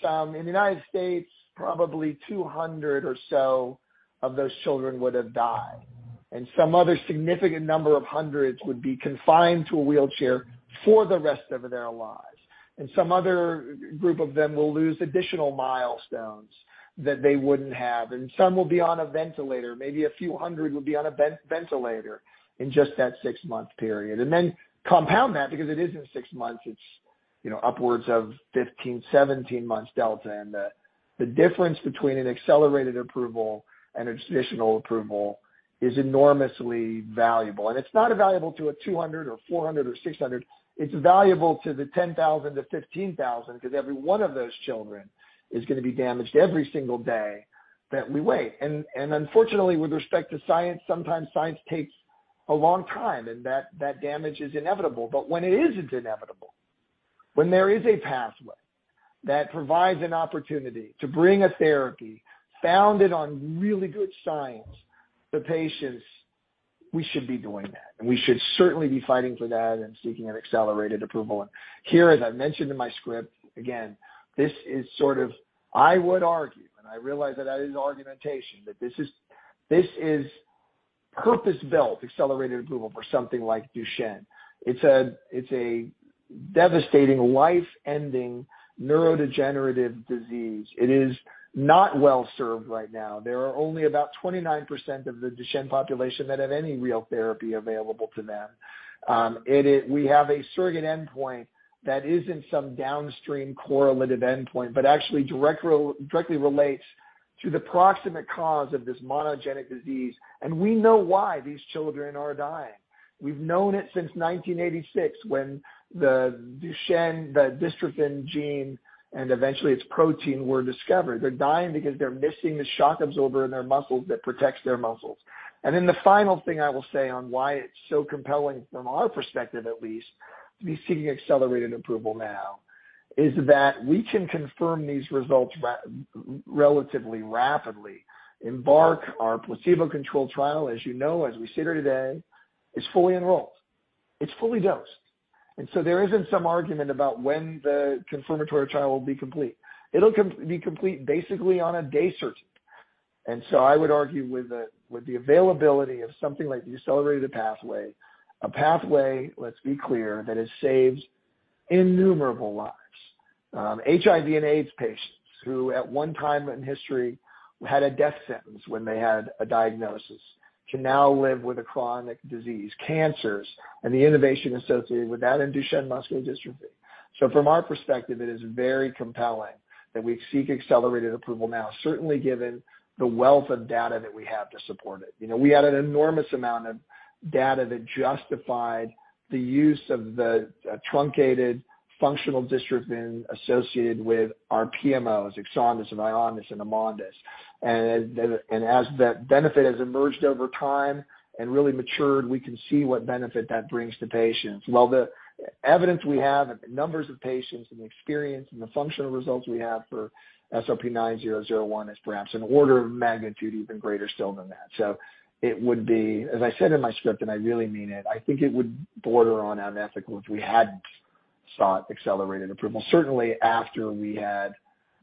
some in the United States, probably 200 or so of those children would have died, and some other significant number of hundreds would be confined to a wheelchair for the rest of their lives. Some other group of them will lose additional milestones that they wouldn't have. Some will be on a ventilator. Maybe a few hundred will be on a ventilator in just that 6 month period. Compound that because it isn't 6 months. It's, you know, upwards of 15, 17 months delta. The difference between an accelerated approval and a traditional approval is enormously valuable. It's not valuable to a 200 or 400 or 600. It's valuable to the 10,000 to 15,000, 'cause every one of those children is gonna be damaged every single day that we wait. Unfortunately, with respect to science, sometimes science takes a long time, and that damage is inevitable. When it isn't inevitable, when there is a pathway that provides an opportunity to bring a therapy founded on really good science to patients, we should be doing that, and we should certainly be fighting for that and seeking an accelerated approval. Here, as I mentioned in my script, again, this is sort of, I would argue, and I realize that is argumentation, that this is purpose-built accelerated approval for something like Duchenne. It's a devastating, life-ending neurodegenerative disease. It is not well served right now. There are only about 29% of the Duchenne population that have any real therapy available to them. We have a surrogate endpoint that isn't some downstream correlative endpoint, but actually directly relates to the proximate cause of this monogenic disease. We know why these children are dying. We've known it since 1986, when the Duchenne, the dystrophin gene and eventually its protein were discovered. They're dying because they're missing the shock absorber in their muscles that protects their muscles. The final thing I will say on why it's so compelling from our perspective, at least, to be seeking accelerated approval now is that we can confirm these results relatively rapidly. EMBARK, our placebo-controlled trial, as you know, as we sit here today, is fully enrolled. It's fully dosed. There isn't some argument about when the confirmatory trial will be complete. It'll be complete basically on a day certainty. I would argue with the availability of something like the accelerated approval pathway, a pathway, let's be clear, that has saved innumerable lives. HIV and AIDS patients who at one time in history had a death sentence when they had a diagnosis can now live with a chronic disease. Cancers and the innovation associated with that and Duchenne muscular dystrophy. From our perspective, it is very compelling that we seek accelerated approval now, certainly given the wealth of data that we have to support it. You know, we had an enormous amount of data that justified the use of the truncated functional dystrophin associated with our PMOs, EXONDYS and VYONDYS and AMONDYS. As that benefit has emerged over time and really matured, we can see what benefit that brings to patients. Well, the evidence we have and the numbers of patients and the experience and the functional results we have for SRP-9001 is perhaps an order of magnitude even greater still than that. It would be, as I said in my script, and I really mean it, I think it would border on unethical if we hadn't sought accelerated approval, certainly after we had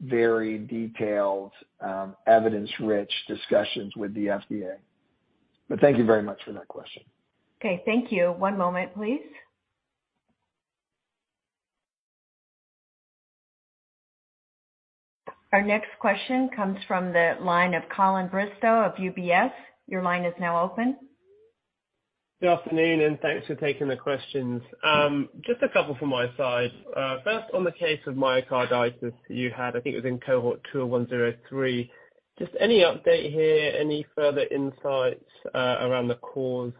very detailed, evidence-rich discussions with the FDA. Thank you very much for that question. Okay, thank you. One moment, please. Our next question comes from the line of Colin Bristow of UBS. Your line is now open. Good afternoon, and thanks for taking the questions. Just a couple from my side. First on the case of myocarditis that you had, I think it was in cohort 2 or 103. Just any update here, any further insights around the cause?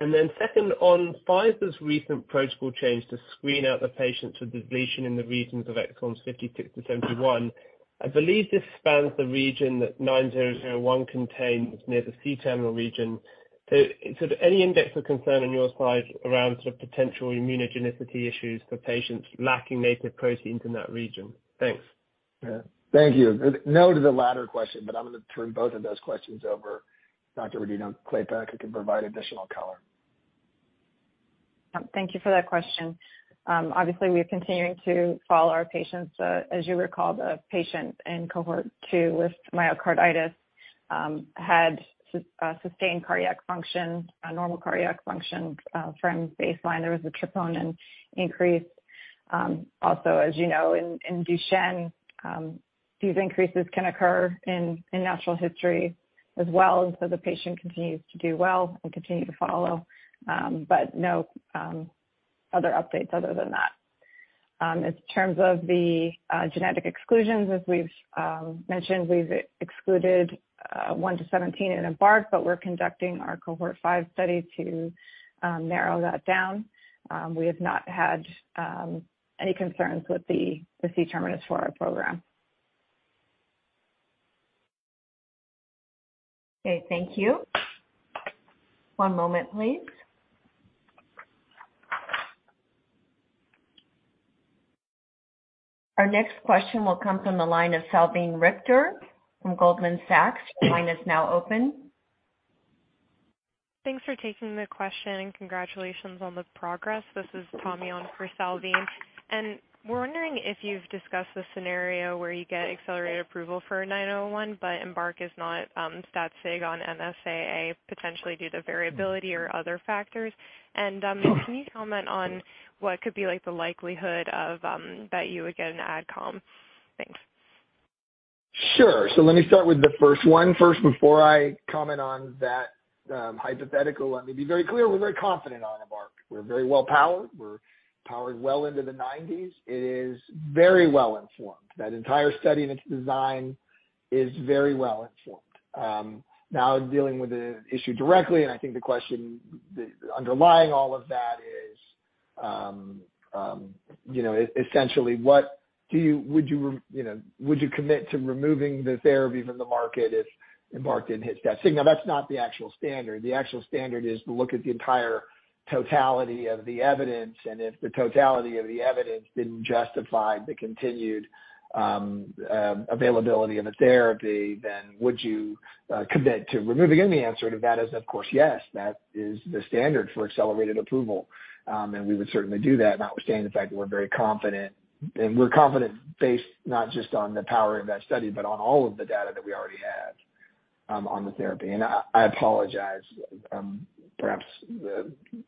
Second, on Pfizer's recent protocol change to screen out the patients with deletion in the regions of exons 56-71, I believe this spans the region that 9001 contains near the C-terminal region. Any index of concern on your side around sort of potential immunogenicity issues for patients lacking native proteins in that region? Thanks. Yeah. Thank you. No to the latter question, but I'm gonna turn both of those questions over to Dr. Louise Rodino-Klapac, who can provide additional color. Thank you for that question. Obviously, we are continuing to follow our patients. As you recall, the patient in cohort 2 with myocarditis had sustained cardiac function, a normal cardiac function from baseline. There was a troponin increase. Also, as you know, in Duchenne, these increases can occur in natural history as well. The patient continues to do well and continue to follow, but no other updates other than that. In terms of the genetic exclusions, as we've mentioned, we've excluded 1-17 in EMBARK, but we're conducting our cohort 5 study to narrow that down. We have not had any concerns with the C-terminus for our program. Okay, thank you. One moment, please. Our next question will come from the line of Salveen Richter from Goldman Sachs. Your line is now open. Thanks for taking the question, and congratulations on the progress. This is Tommy on for Salveen Richter. We're wondering if you've discussed the scenario where you get accelerated approval for 9001, but EMBARK is not stat sig on NSAA, potentially due to variability or other factors. Can you comment on what could be like the likelihood of that you would get an AdCom? Thanks. Let me start with the first one first before I comment on that hypothetical. Let me be very clear, we're very confident on EMBARK. We're very well powered. We're powered well into the 90s. It is very well informed. That entire study and its design is very well informed. Now in dealing with the issue directly, I think the question underlying all of that is, you know, essentially, would you commit to removing the therapy from the market if EMBARK didn't hit stat sig? Now, that's not the actual standard. The actual standard is to look at the entire totality of the evidence, and if the totality of the evidence didn't justify the continued availability of a therapy, then would you commit to removing? The answer to that is of course, yes. That is the standard for accelerated approval. We would certainly do that, notwithstanding the fact that we're very confident. We're confident based not just on the power of that study, but on all of the data that we already have on the therapy. I apologize, perhaps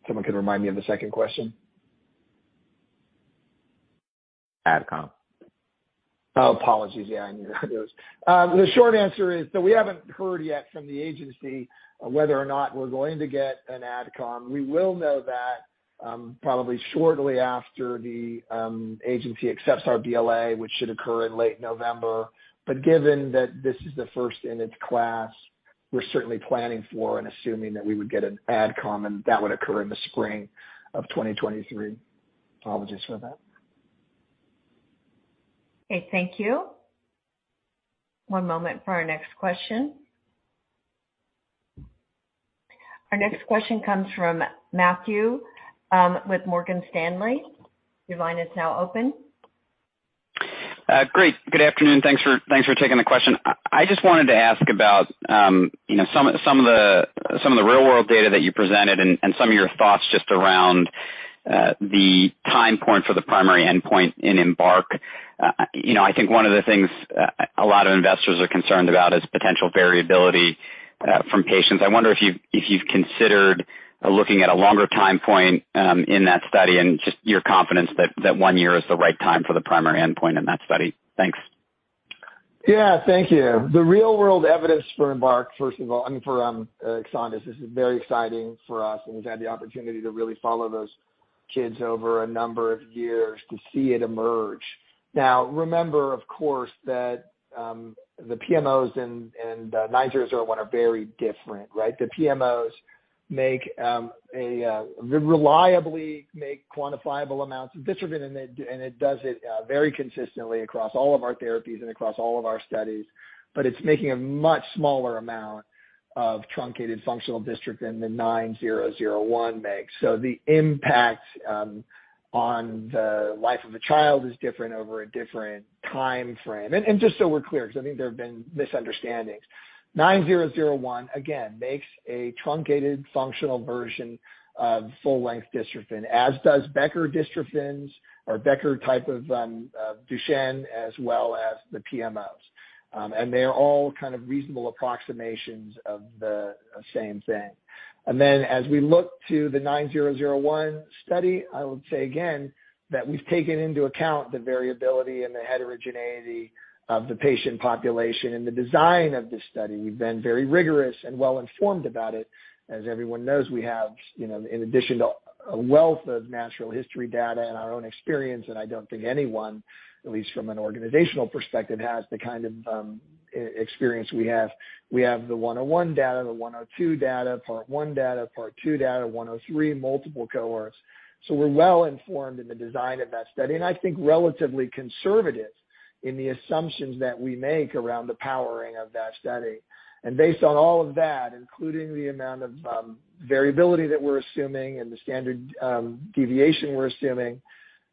someone can remind me of the second question. AdCom. Oh, apologies. Yeah, I knew how it goes. The short answer is that we haven't heard yet from the agency whether or not we're going to get an AdCom. We will know that, probably shortly after the agency accepts our BLA, which should occur in late November. Given that this is the first in its class, we're certainly planning for and assuming that we would get an AdCom, and that would occur in the spring of 2023. Apologies for that. Okay, thank you. One moment for our next question. Our next question comes from Matthew with Morgan Stanley. Your line is now open. Great. Good afternoon. Thanks for taking the question. I just wanted to ask about, you know, some of the real-world data that you presented and some of your thoughts just around the time point for the primary endpoint in EMBARK. You know, I think one of the things a lot of investors are concerned about is potential variability from patients. I wonder if you've considered looking at a longer time point in that study and just your confidence that one year is the right time for the primary endpoint in that study. Thanks. Yeah. Thank you. The real-world evidence for EMBARK, first of all, I mean, for EXONDYS, this is very exciting for us, and we've had the opportunity to really follow those kids over a number of years to see it emerge. Now, remember, of course, that the PMOs and 9001 are very different, right? The PMOs reliably make quantifiable amounts of dystrophin, and it does it very consistently across all of our therapies and across all of our studies. But it's making a much smaller amount of truncated functional dystrophin than the 9001 makes. So the impact on the life of a child is different over a different timeframe. Just so we're clear, 'cause I think there have been misunderstandings, 9001, again, makes a truncated functional version of full-length dystrophin, as does Becker dystrophin or Becker type of Duchenne, as well as the PMOs. They are all kind of reasonable approximations of the same thing. As we look to the 9001 study, I would say again that we've taken into account the variability and the heterogeneity of the patient population. In the design of this study, we've been very rigorous and well-informed about it. As everyone knows, we have, you know, in addition to a wealth of natural history data and our own experience, and I don't think anyone, at least from an organizational perspective, has the kind of experience we have. We have the 101 data, the 102 data, part one data, part two data, 103, multiple cohorts. We're well-informed in the design of that study, and I think relatively conservative in the assumptions that we make around the powering of that study. Based on all of that, including the amount of variability that we're assuming and the standard deviation we're assuming,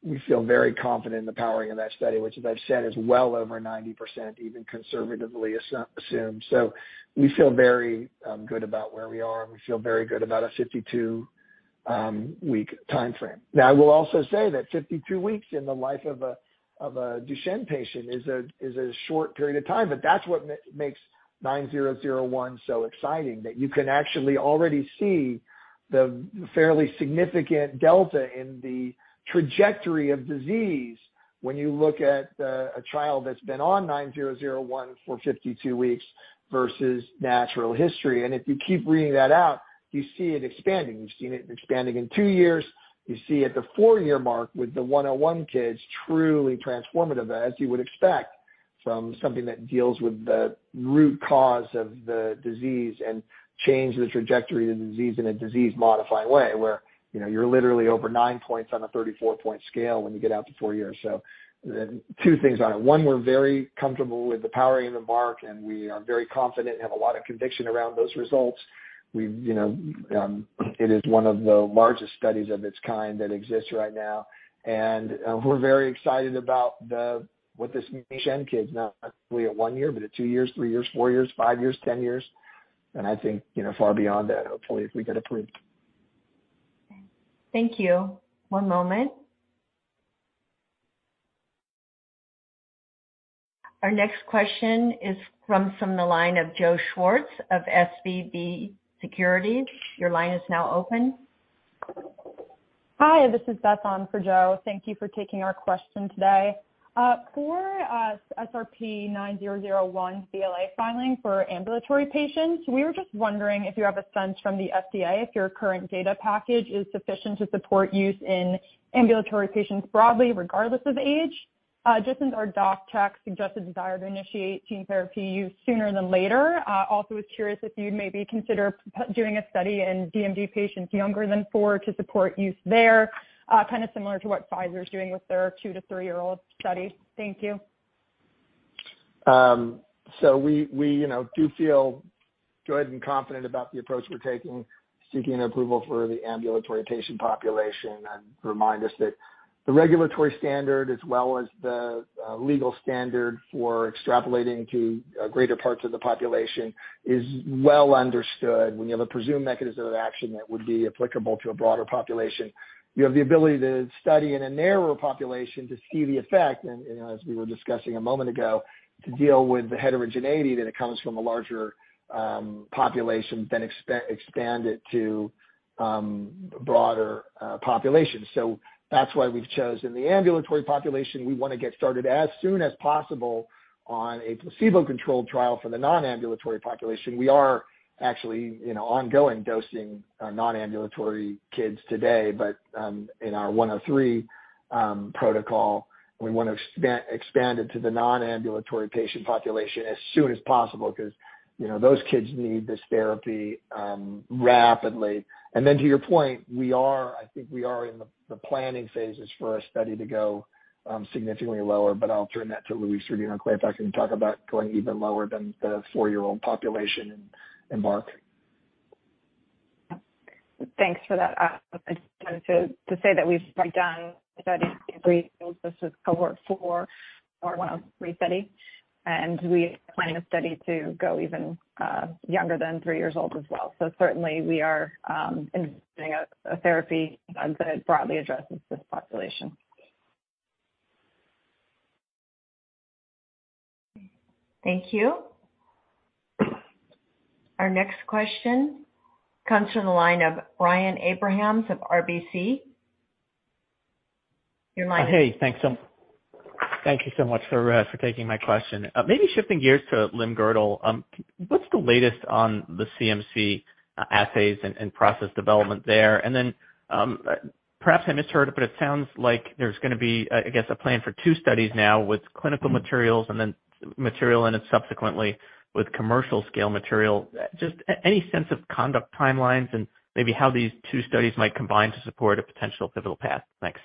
we feel very confident in the powering of that study, which as I've said, is well over 90%, even conservatively assumed. We feel very good about where we are, and we feel very good about a 52-week timeframe. Now, I will also say that 52 weeks in the life of a Duchenne patient is a short period of time, but that's what makes 9001 so exciting. That you can actually already see the fairly significant delta in the trajectory of disease when you look at a child that's been on 9001 for 52 weeks versus natural history. If you keep reading that out, you see it expanding. You've seen it expanding in 2 years. You see at the 4-year mark with the 101 kids truly transformative, as you would expect from something that deals with the root cause of the disease and change the trajectory of the disease in a disease-modifying way, where, you know, you're literally over 9 points on a 34-point scale when you get out to 4 years. 2 things on it. One, we're very comfortable with the powering of EMBARK, and we are very confident and have a lot of conviction around those results. We've You know, it is one of the largest studies of its kind that exists right now. We're very excited about what this means to Duchenne kids, not necessarily at 1 year, but at 2 years, 3 years, 4 years, 5 years, 10 years, and I think, you know, far beyond that, hopefully, if we get approved. Thank you. One moment. Our next question is from the line of Joe Schwartz of SVB Securities. Your line is now open. Hi, this is Beth on for Joe. Thank you for taking our question today. For SRP-9001 BLA filing for ambulatory patients, we were just wondering if you have a sense from the FDA if your current data package is sufficient to support use in ambulatory patients broadly, regardless of age. Just since our AdCom suggested desire to initiate gene therapy use sooner than later. Also was curious if you'd maybe consider doing a study in DMD patients younger than 4 to support use there, kinda similar to what Pfizer's doing with their 2-3-year-old study. Thank you. We, you know, do feel good and confident about the approach we're taking, seeking approval for the ambulatory patient population. Remind us that the regulatory standard as well as the legal standard for extrapolating to greater parts of the population is well understood. When you have a presumed mechanism of action that would be applicable to a broader population, you have the ability to study in a narrower population to see the effect, and, you know, as we were discussing a moment ago, to deal with the heterogeneity that it comes from a larger population, then expand it to broader populations. That's why we've chosen the ambulatory population. We wanna get started as soon as possible on a placebo-controlled trial for the non-ambulatory population. We are actually, you know, ongoing dosing our non-ambulatory kids today. In our 103 protocol, we want to expand it to the non-ambulatory patient population as soon as possible 'cause, you know, those kids need this therapy rapidly. To your point, I think we are in the planning phases for a study to go significantly lower, but I'll turn that to Louise Rodino-Klapac if I can talk about going even lower than the 4-year-old population in EMBARK. Thanks for that. To say that we've done a study in 3 year-old, this is cohort 4 for our 103 study, and we plan a study to go even younger than three years old as well. Certainly we are investing a therapy that broadly addresses this population. Thank you. Our next question comes from the line of Brian Abrahams of RBC. Your line is open. Hey, thank you so much for taking my question. Maybe shifting gears to Limb-girdle. What's the latest on the CMC assays and process development there? Perhaps I misheard, but it sounds like there's gonna be, I guess, a plan for two studies now with clinical materials and then material and it subsequently with commercial scale material. Just any sense of conduct timelines and maybe how these two studies might combine to support a potential pivotal path? Thanks.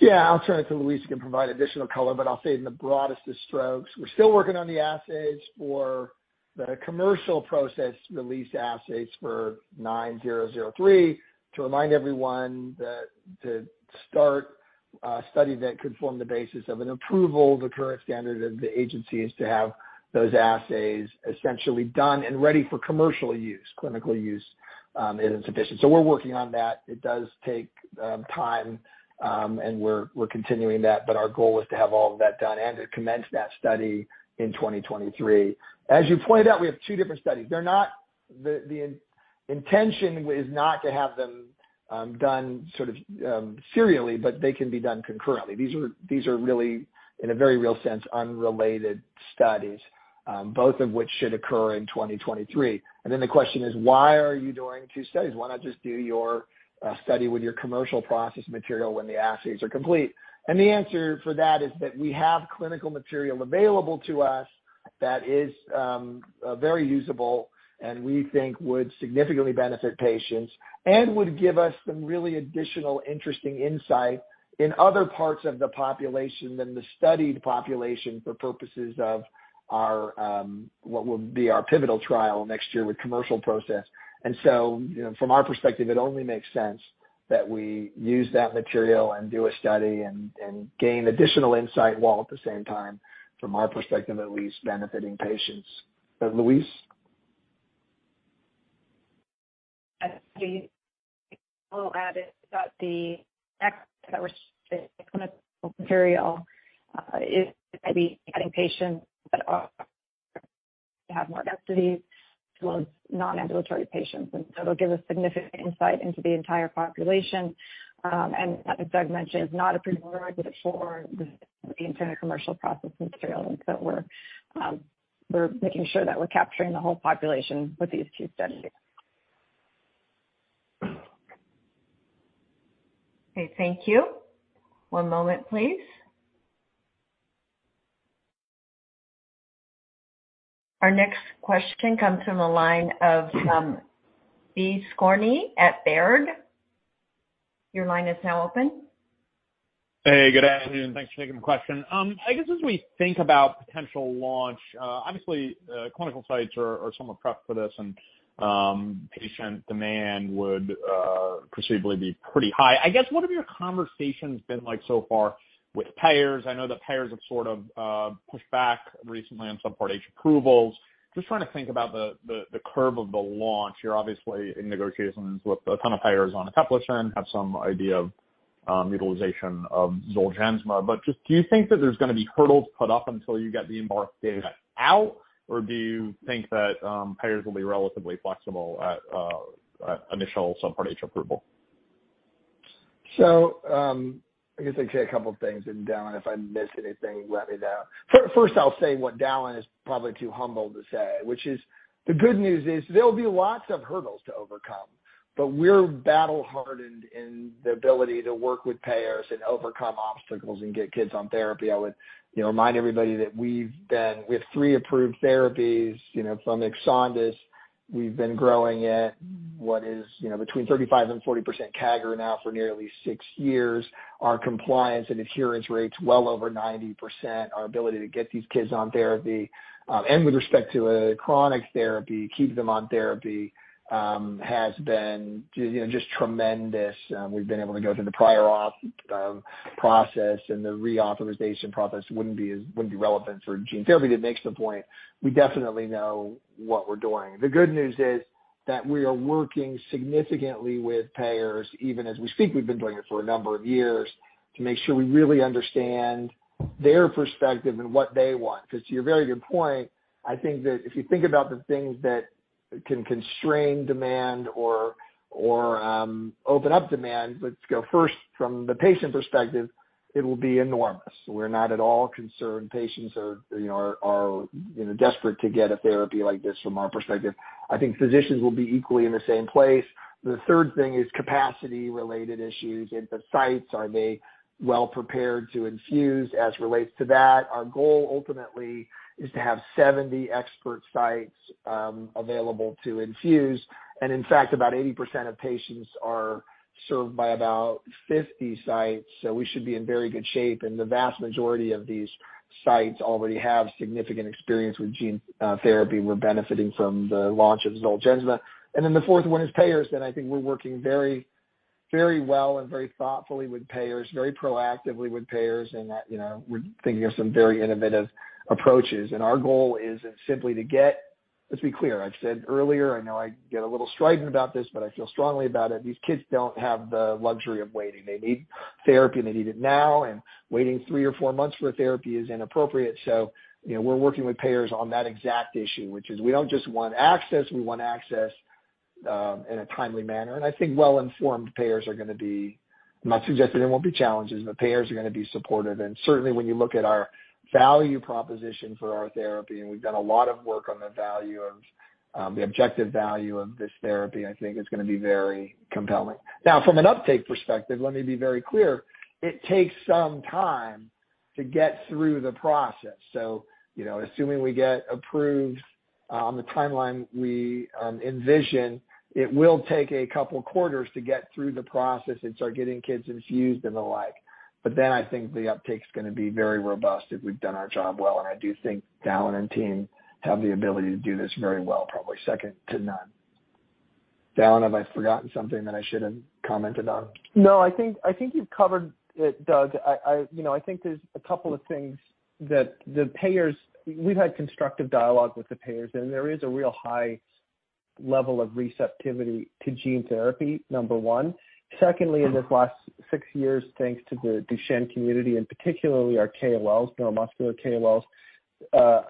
Yeah. I'll turn it to Louise Rodino-Klapac, who can provide additional color, but I'll say in the broadest of strokes, we're still working on the assays for the commercial process-released assays for 9003. To remind everyone that to start a study that could form the basis of an approval, the current standard of the agency is to have those assays essentially done and ready for commercial use. Clinical use is insufficient. We're working on that. It does take time, and we're continuing that, but our goal is to have all of that done and to commence that study in 2023. As you pointed out, we have two different studies. The intention is not to have them done sort of serially, but they can be done concurrently. These are really, in a very real sense, unrelated studies, both of which should occur in 2023. Then the question is, why are you doing two studies? Why not just do your study with your commercial process material when the assays are complete? The answer for that is that we have clinical material available to us that is very usable and we think would significantly benefit patients and would give us some really additional interesting insight in other parts of the population than the studied population for purposes of our what will be our pivotal trial next year with commercial process. You know, from our perspective, it only makes sense that we use that material and do a study and gain additional insight, while at the same time, from our perspective, at least benefiting patients. Louise? I will add that the next clinical material is maybe getting patients that have more diversity towards non-ambulatory patients. It'll give us significant insight into the entire population. As Doug mentioned, it's not approved for the internal commercial processing material. We're making sure that we're capturing the whole population with these two studies. Okay. Thank you. One moment, please. Our next question comes from the line of Brian Skorney at Baird. Your line is now open. Hey, good afternoon, and thanks for taking the question. I guess as we think about potential launch, obviously, clinical sites are somewhat prepped for this and patient demand would presumably be pretty high. I guess what have your conversations been like so far with payers? I know that payers have sort of pushed back recently on some Part B approvals. Just trying to think about the curve of the launch. You're obviously in negotiations with a ton of payers on In a timely manner. I think well-informed payers are gonna be. I'm not suggesting there won't be challenges, but payers are gonna be supportive. Certainly, when you look at our value proposition for our therapy, and we've done a lot of work on the value of the objective value of this therapy, I think it's gonna be very compelling. Now, from an uptake perspective, let me be very clear. It takes some time to get through the process. You know, assuming we get approved on the timeline we envision, it will take a couple quarters to get through the process and start getting kids infused and the like. I think the uptake's gonna be very robust if we've done our job well. I do think Dallan and team have the ability to do this very well, probably second to none. Dallan, have I forgotten something that I should have commented on? No, I think you've covered it, Doug. You know, I think there's a couple of things that the payers. We've had constructive dialogue with the payers, and there is a real high level of receptivity to gene therapy, number one. Secondly, in this last six years, thanks to the Duchenne community and particularly our KOLs, neuromuscular KOLs,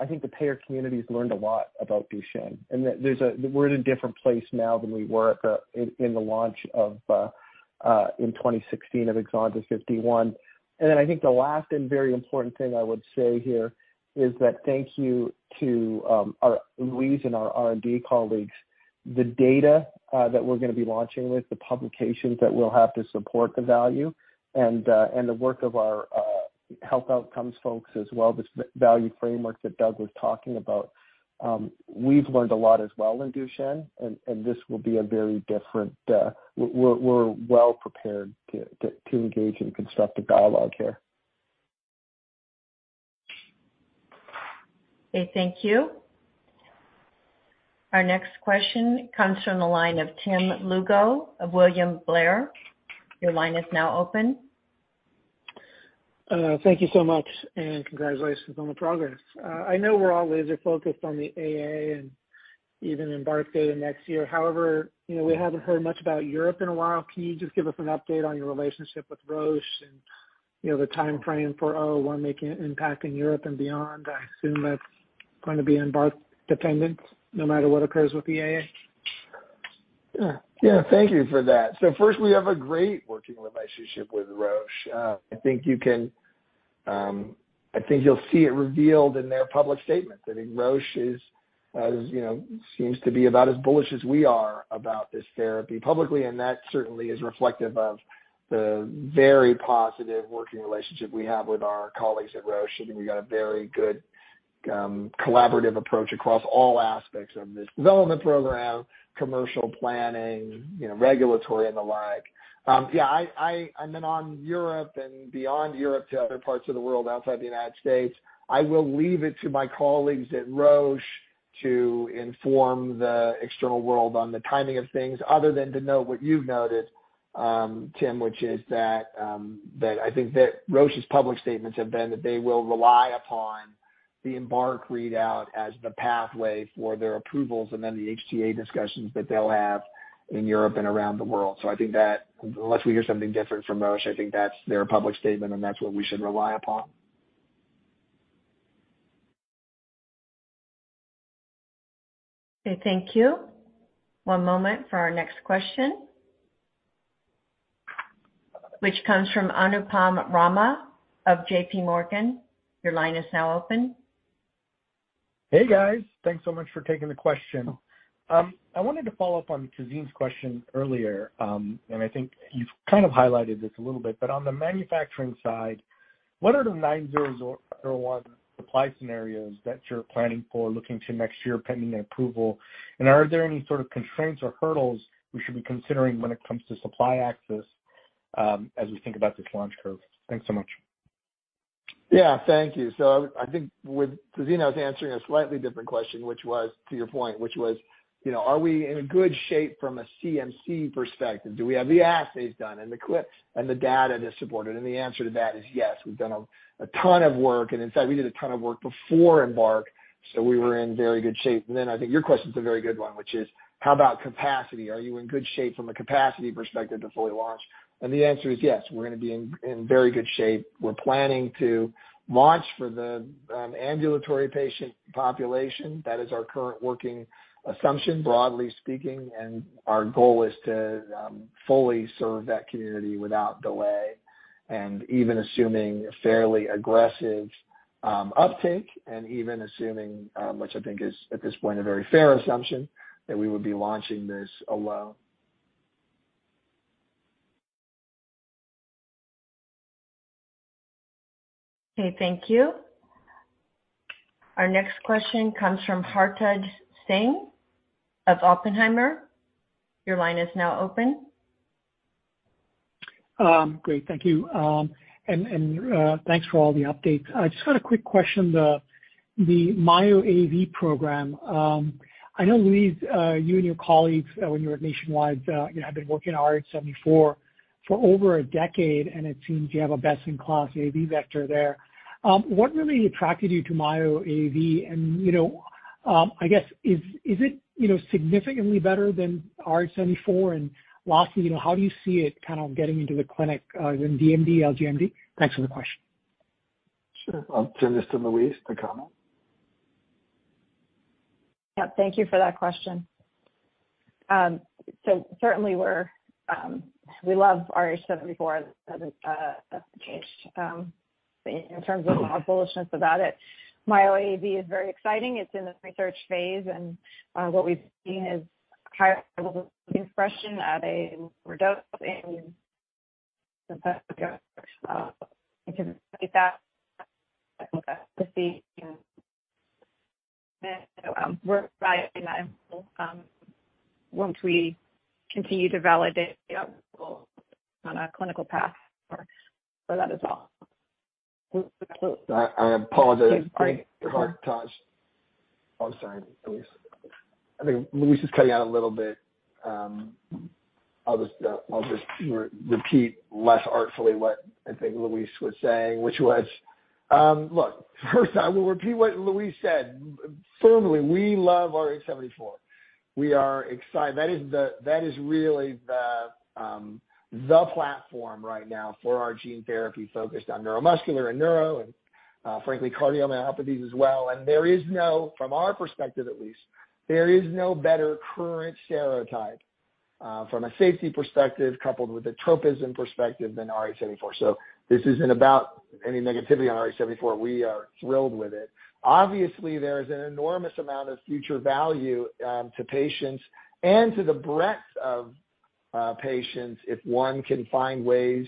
I think the payer community's learned a lot about Duchenne. That there's, we're in a different place now than we were at the launch in 2016 of EXONDYS 51. Then I think the last and very important thing I would say here is that thank you to our Louise and our R&D colleagues. The data that we're gonna be launching with, the publications that we'll have to support the value and the work of our health outcomes folks as well, this value framework that Doug was talking about, we've learned a lot as well in Duchenne, and this will be a very different. We're well prepared to engage in constructive dialogue here. Okay, thank you. Our next question comes from the line of Tim Lugo of William Blair. Your line is now open. Thank you so much, and congratulations on the progress. I know we're always focused on the AdCom and even EMBARK data next year. However, you know, we haven't heard much about Europe in a while. Can you just give us an update on your relationship with Roche and, you know, the timeframe for wanting to make an impact in Europe and beyond? I assume that's going to be EMBARK dependent no matter what occurs with the AdCom. Yeah. Thank you for that. First, we have a great working relationship with Roche. I think you'll see it revealed in their public statement. I think Roche, you know, seems to be about as bullish as we are about this therapy publicly, and that certainly is reflective of the very positive working relationship we have with our colleagues at Roche. I think we've got a very good collaborative approach across all aspects of this development program, commercial planning, you know, regulatory and the like. Yeah, I mean, on Europe and beyond Europe to other parts of the world outside the United States, I will leave it to my colleagues at Roche to inform the external world on the timing of things other than to know what you've noted, Tim, which is that I think that Roche's public statements have been that they will rely upon the EMBARK readout as the pathway for their approvals and then the HTA discussions that they'll have in Europe and around the world. I think that unless we hear something different from Roche, I think that's their public statement, and that's what we should rely upon. Okay, thank you. One moment for our next question. Which comes from Anupam Rama of JPMorgan. Your line is now open. Hey, guys. Thanks so much for taking the question. I wanted to follow up on Tazeen Ahmad's question earlier, and I think you've kind of highlighted this a little bit. On the manufacturing side, what are the SRP-9001 supply scenarios that you're planning for looking to next year pending the approval? And are there any sort of constraints or hurdles we should be considering when it comes to supply access, as we think about this launch curve? Thanks so much. Yeah, thank you. I think with Tazeen, I was answering a slightly different question, which was to your point, which was, you know, are we in good shape from a CMC perspective? Do we have the assays done and the clips and the data to support it? The answer to that is yes. We've done a ton of work. In fact, we did a ton of work before EMBARK, so we were in very good shape. I think your question's a very good one, which is how about capacity? Are you in good shape from a capacity perspective to fully launch? The answer is yes. We're gonna be in very good shape. We're planning to launch for the ambulatory patient population. That is our current working assumption, broadly speaking, and our goal is to fully serve that community without delay and even assuming fairly aggressive uptake and even assuming which I think is at this point a very fair assumption, that we would be launching this alone. Okay, thank you. Our next question comes from Hartaj Singh of Oppenheimer. Your line is now open. Great. Thank you. And thanks for all the updates. I just got a quick question. The MyoAAV program, I know Louise, you and your colleagues, when you were at Nationwide, you know, have been working on RH74 for over a decade, and it seems you have a best-in-class AAV vector there. What really attracted you to MyoAAV? You know, I guess, is it significantly better than RH74? Lastly, you know, how do you see it kind of getting into the clinic in DMD, LGMD? Thanks for the question. Sure. I'll turn this to Louise to comment. Yeah, thank you for that question. Certainly we love RH74 as an application in terms of our bullishness about it. MyoAAV is very exciting. It's in this research phase, and what we've seen is higher level of expression at a lower dose and successful. We're right in that, once we continue to validate the approval on a clinical path for that as well. I apologize. I think Louise is cutting out a little bit. I'll just repeat less artfully what I think Louise was saying, which was, look, first, I will repeat what Louise said. Firmly, we love RH74. We are excited. That is really the platform right now for our gene therapy focused on neuromuscular and neuro and frankly, cardiomyopathies as well. From our perspective at least, there is no better current serotype from a safety perspective coupled with a tropism perspective than RH74. This isn't about any negativity on RH74. We are thrilled with it. Obviously, there is an enormous amount of future value to patients and to the breadth of patients if one can find ways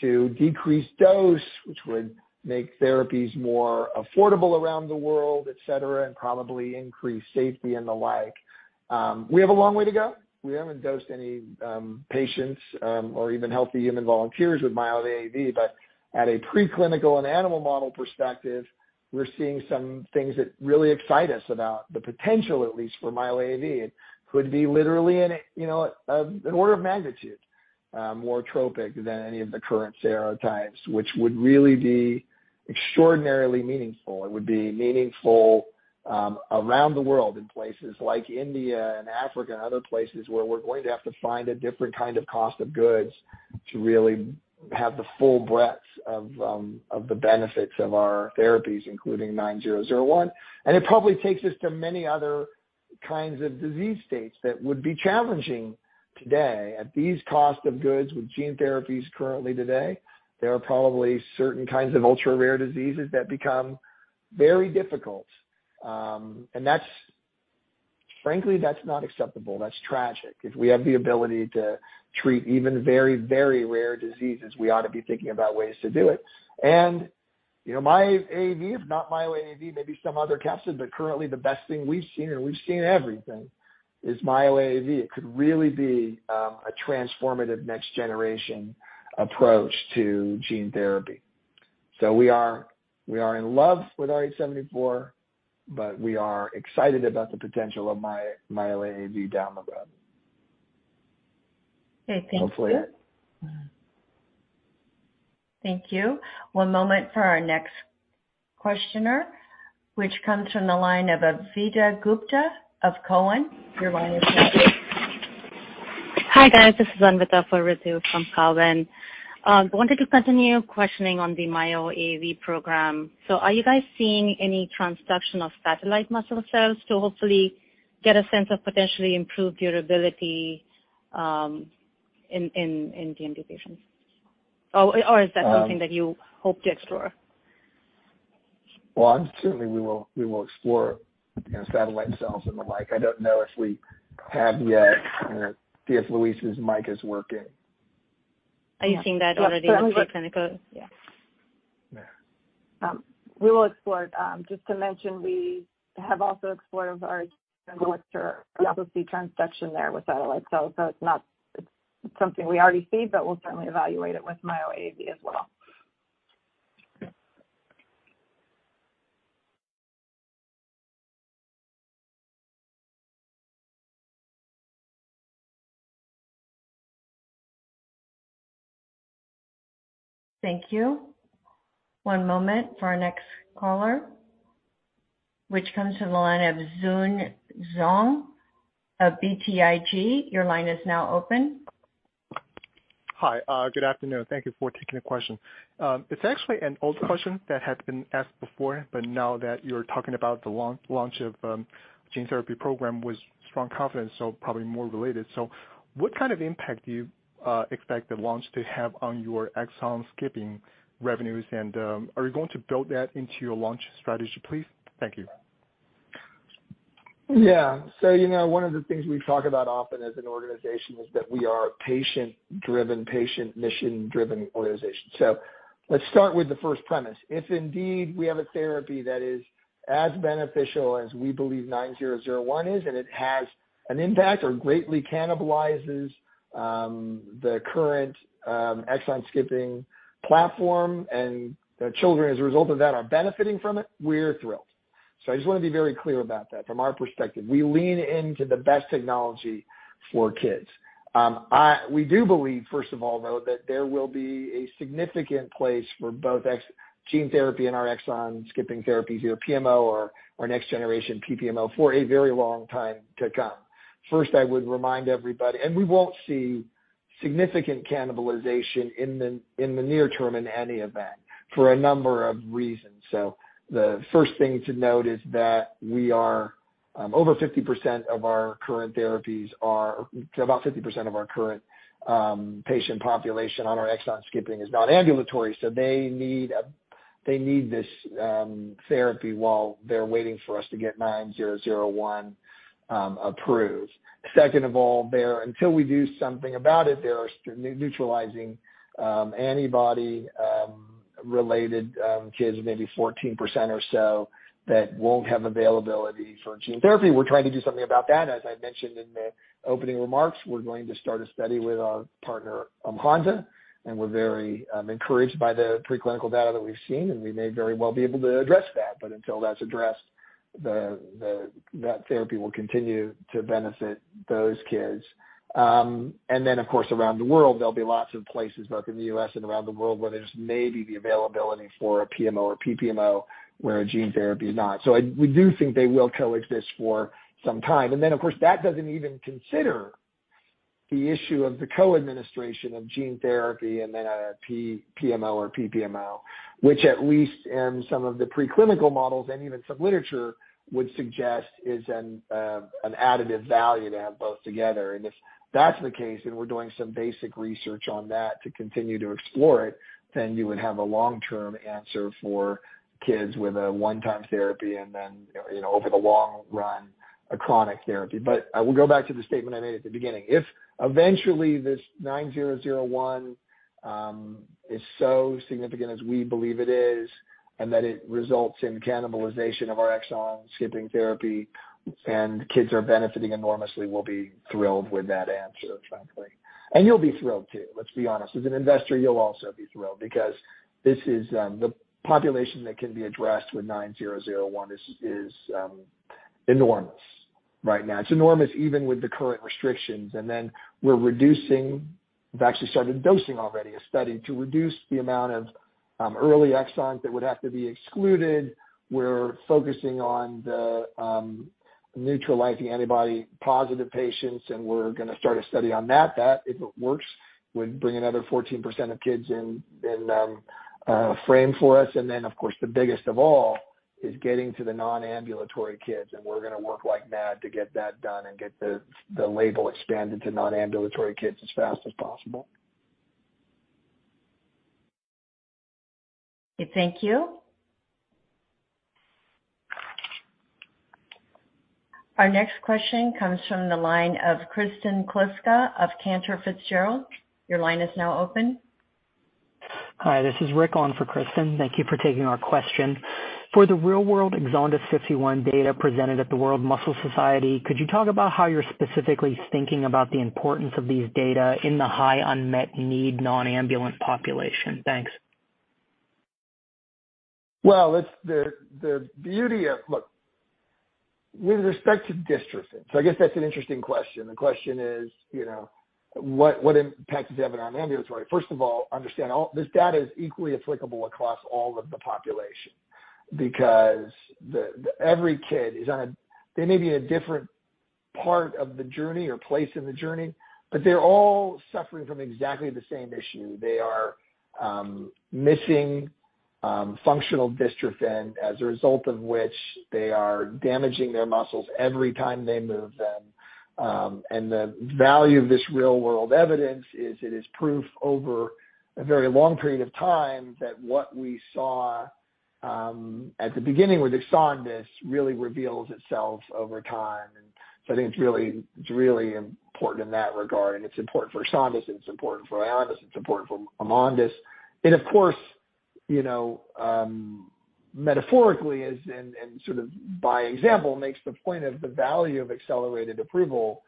to decrease dose, which would make therapies more affordable around the world, et cetera, and probably increase safety and the like. We have a long way to go. We haven't dosed any patients or even healthy human volunteers with MyoAAV, but at a preclinical and animal model perspective, we're seeing some things that really excite us about the potential, at least, for MyoAAV. It could be literally an, you know, an order of magnitude more tropic than any of the current serotypes, which would really be extraordinarily meaningful. It would be meaningful around the world in places like India and Africa and other places where we're going to have to find a different kind of cost of goods to really have the full breadth of of the benefits of our therapies, including 9001. It probably takes us to many other kinds of disease states that would be challenging today. At these cost of goods with gene therapies currently today, there are probably certain kinds of ultra-rare diseases that become very difficult. That's frankly not acceptable. That's tragic. If we have the ability to treat even very, very rare diseases, we ought to be thinking about ways to do it. You know, MyoAAV, if not MyoAAV, maybe some other capsid, but currently the best thing we've seen, and we've seen everything, is MyoAAV. It could really be a transformative next-generation approach to gene therapy. We are in love with RH74, but we are excited about the potential of MyoAAV down the road. Okay. Thank you. Hopefully. Thank you. One moment for our next questioner, which comes from the line of Anvita Gupta of Cowen. Your line is now open. Hi, guys. This is Anvita for Ritu from Cowen. Wanted to continue questioning on the MyoAAV program. Are you guys seeing any transduction of satellite muscle cells to hopefully get a sense of potentially improved durability in DMD patients? Or is that something that you hope to explore? Well, certainly, we will explore, you know, satellite cells and the like. I don't know if we have yet, see if Louise's mic is working. Are you seeing that already in preclinical? Yeah. Yeah. We will explore it. Just to mention, we have also explored our transduction there with satellite cells, so it's something we already see, but we'll certainly evaluate it with MyoAAV as well. Yeah. Thank you. One moment for our next caller, which comes from the line of Yun Zhong of BTIG. Your line is now open. Hi. Good afternoon. Thank you for taking the question. It's actually an old question that had been asked before, but now that you're talking about the launch of gene therapy program with strong confidence, so probably more related. What kind of impact do you expect the launch to have on your exon skipping revenues? And, are you going to build that into your launch strategy, please? Thank you. Yeah. You know, one of the things we talk about often as an organization is that we are a patient-driven, patient mission-driven organization. Let's start with the first premise. If indeed we have a therapy that is as beneficial as we believe 9001 is, and it has an impact or greatly cannibalizes the current exon skipping platform and the children as a result of that are benefiting from it, we're thrilled. I just wanna be very clear about that. From our perspective, we lean into the best technology for kids. We do believe, first of all, though, that there will be a significant place for both gene therapy and our exon skipping therapies, either PMO or our next generation PPMO, for a very long time to come. First, I would remind everybody. We won't see significant cannibalization in the near term, in any event, for a number of reasons. The first thing to note is that about 50% of our current patient population on our exon skipping is non-ambulatory. They need this therapy while they're waiting for us to get 9001 approved. Second of all, until we do something about it, there are neutralizing antibody related kids, maybe 14% or so, that won't have availability for gene therapy. We're trying to do something about that. As I mentioned in the opening remarks, we're going to start a study with our partner, Hansa, and we're very encouraged by the preclinical data that we've seen, and we may very well be able to address that. Until that's addressed, that therapy will continue to benefit those kids. Of course, around the world, there'll be lots of places, both in the U.S. and around the world, where there's maybe the availability for a PMO or PPMO, where a gene therapy is not. We do think they will co-exist for some time. Of course, that doesn't even consider the issue of the co-administration of gene therapy and then a PPMO or PPMO, which at least in some of the preclinical models and even some literature would suggest is an additive value to have both together. If that's the case, then we're doing some basic research on that to continue to explore it, then you would have a long-term answer for kids with a one-time therapy and then, you know, over the long run, a chronic therapy. I will go back to the statement I made at the beginning. If eventually this 9001 is so significant as we believe it is, and that it results in cannibalization of our exon skipping therapy and kids are benefiting enormously, we'll be thrilled with that answer, frankly. You'll be thrilled too. Let's be honest. As an investor, you'll also be thrilled because this is the population that can be addressed with 9001 is enormous right now. It's enormous even with the current restrictions. Then we're reducing... We've actually started dosing already a study to reduce the amount of early exons that would have to be excluded. We're focusing on the neutralizing antibody positive patients, and we're gonna start a study on that. That, if it works, would bring another 14% of kids frame for us. Of course, the biggest of all is getting to the non-ambulatory kids. We're gonna work like mad to get that done and get the label expanded to non-ambulatory kids as fast as possible. Okay, thank you. Our next question comes from the line of Kristen Kluska of Cantor Fitzgerald. Your line is now open. Hi, this is Rick on for Kristen. Thank you for taking our question. For the real-world EXONDYS 51 data presented at the World Muscle Society Congress, could you talk about how you're specifically thinking about the importance of these data in the high unmet need non-ambulant population? Thanks. Look, with respect to dystrophin. I guess that's an interesting question. The question is, you know, what impact does it have on our ambulatory? First of all, understand all this data is equally applicable across all of the population because every kid is on a. They may be in a different part of the journey or place in the journey, but they're all suffering from exactly the same issue. They are missing functional dystrophin as a result of which they are damaging their muscles every time they move them. The value of this real-world evidence is it is proof over a very long period of time that what we saw at the beginning with EXONDYS really reveals itself over time. I think it's really important in that regard, and it's important for EXONDYS, and it's important for VYONDYS, it's important for AMONDYS. Of course, you know, sort of by example, makes the point of the value of accelerated approval.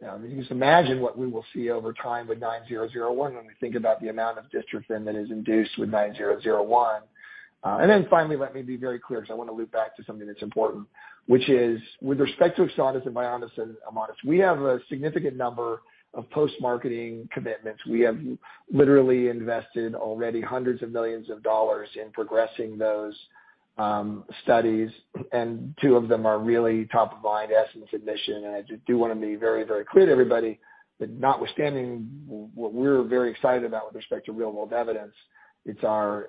You know, you just imagine what we will see over time with 9001 when we think about the amount of dystrophin that is induced with 9001. Finally, let me be very clear because I wanna loop back to something that's important, which is with respect to EXONDYS and VYONDYS and AMONDYS, we have a significant number of post-marketing commitments. We have literally invested already $hundreds of millions in progressing those studies, and two of them are really top of mind ESSENCE and MISSION. I do wanna be very clear to everybody that notwithstanding what we're very excited about with respect to real-world evidence, it's our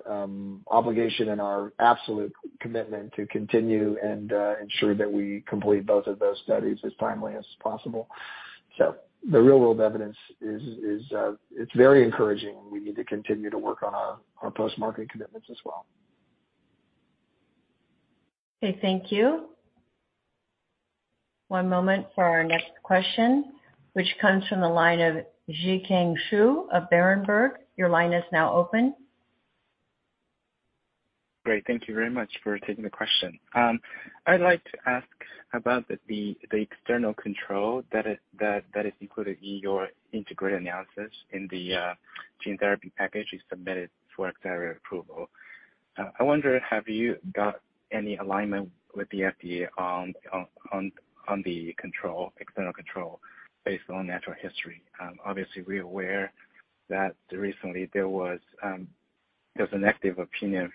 obligation and our absolute commitment to continue and ensure that we complete both of those studies as timely as possible. The real-world evidence is it's very encouraging. We need to continue to work on our post-market commitments as well. Okay, thank you. One moment for our next question, which comes from the line of Zhiqiang Shu of Berenberg. Your line is now open. Great. Thank you very much for taking the question. I'd like to ask about the external control that is included in your integrated analysis in the gene therapy package you submitted for accelerated approval. I wonder, have you got any alignment with the FDA on the external control based on natural history? Obviously, we're aware that recently there was a negative opinion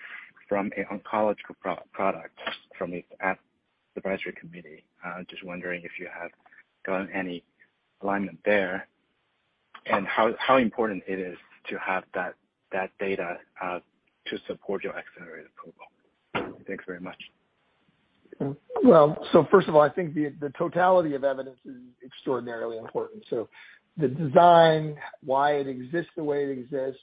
from an oncology product at the advisory committee. Just wondering if you have gotten any alignment there and how important it is to have that data to support your accelerated approval. Thanks very much. First of all, I think the totality of evidence is extraordinarily important. The design, why it exists the way it exists,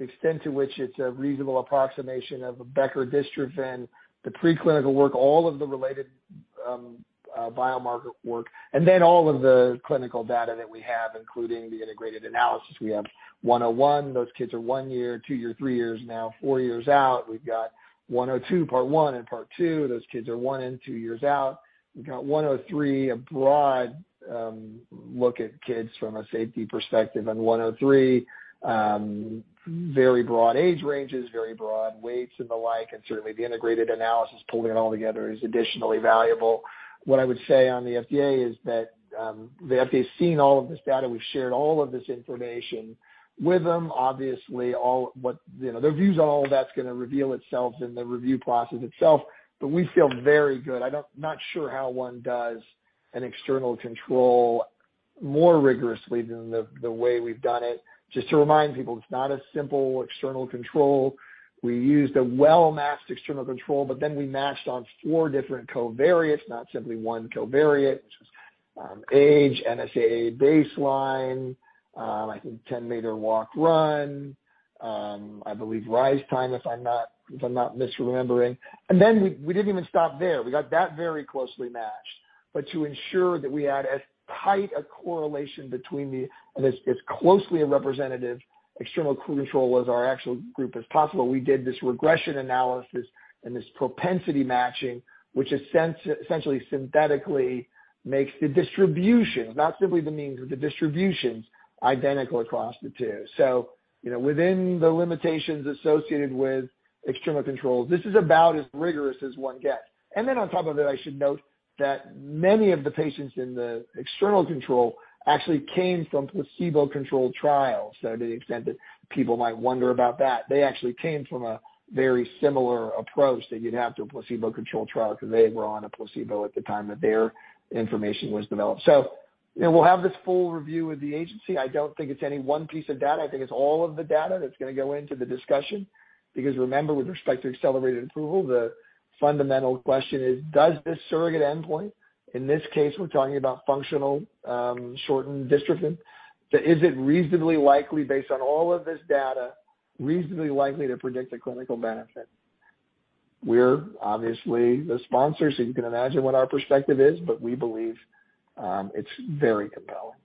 the extent to which it's a reasonable approximation of a Becker dystrophin, the preclinical work, all of the related biomarker work, and then all of the clinical data that we have, including the integrated analysis. We have 101. Those kids are 1 year, 2 year, 3 years now, 4 years out. We've got 102, part one and part two. Those kids are 1 and 2 years out. We've got 103, a broad look at kids from a safety perspective on 103. Very broad age ranges, very broad weights and the like. Certainly, the integrated analysis, pulling it all together is additionally valuable. What I would say on the FDA is that the FDA's seen all of this data. We've shared all of this information with them. Obviously, all what, you know, their views on all that's gonna reveal itself in the review process itself. But we feel very good. I'm not sure how one does an external control more rigorously than the way we've done it. Just to remind people, it's not a simple external control. We used a well-matched external control, but then we matched on 4 different covariates, not simply 1 covariate. Age, NSAA baseline, I think 10-meter walk/run, I believe rise time, if I'm not misremembering. Then we didn't even stop there. We got that very closely matched. To ensure that we had as tight a correlation between as closely a representative external control as our actual group as possible, we did this regression analysis and this propensity matching, which essentially synthetically makes the distribution, not simply the means of the distributions, identical across the two. You know, within the limitations associated with external controls, this is about as rigorous as one gets. On top of it, I should note that many of the patients in the external control actually came from placebo-controlled trials. To the extent that people might wonder about that, they actually came from a very similar approach that you'd have to a placebo-controlled trial because they were on a placebo at the time that their information was developed. You know, we'll have this full review with the agency. I don't think it's any one piece of data. I think it's all of the data that's gonna go into the discussion because remember, with respect to accelerated approval, the fundamental question is does this surrogate endpoint, in this case we're talking about functional, shortened dystrophin, that is it reasonably likely based on all of this data, reasonably likely to predict a clinical benefit? We're obviously the sponsor, so you can imagine what our perspective is, but we believe, it's very compelling.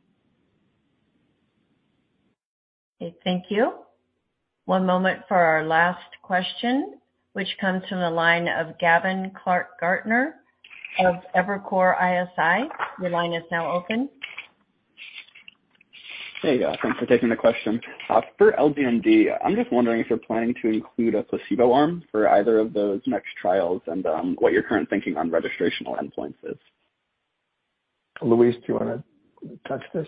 Okay. Thank you. One moment for our last question, which comes from the line of Gavin Clark-Gartner of Evercore ISI. Your line is now open. Hey, thanks for taking the question. For LGMD, I'm just wondering if you're planning to include a placebo arm for either of those next trials and what your current thinking on registrational endpoints is. Louise, do you wanna touch this?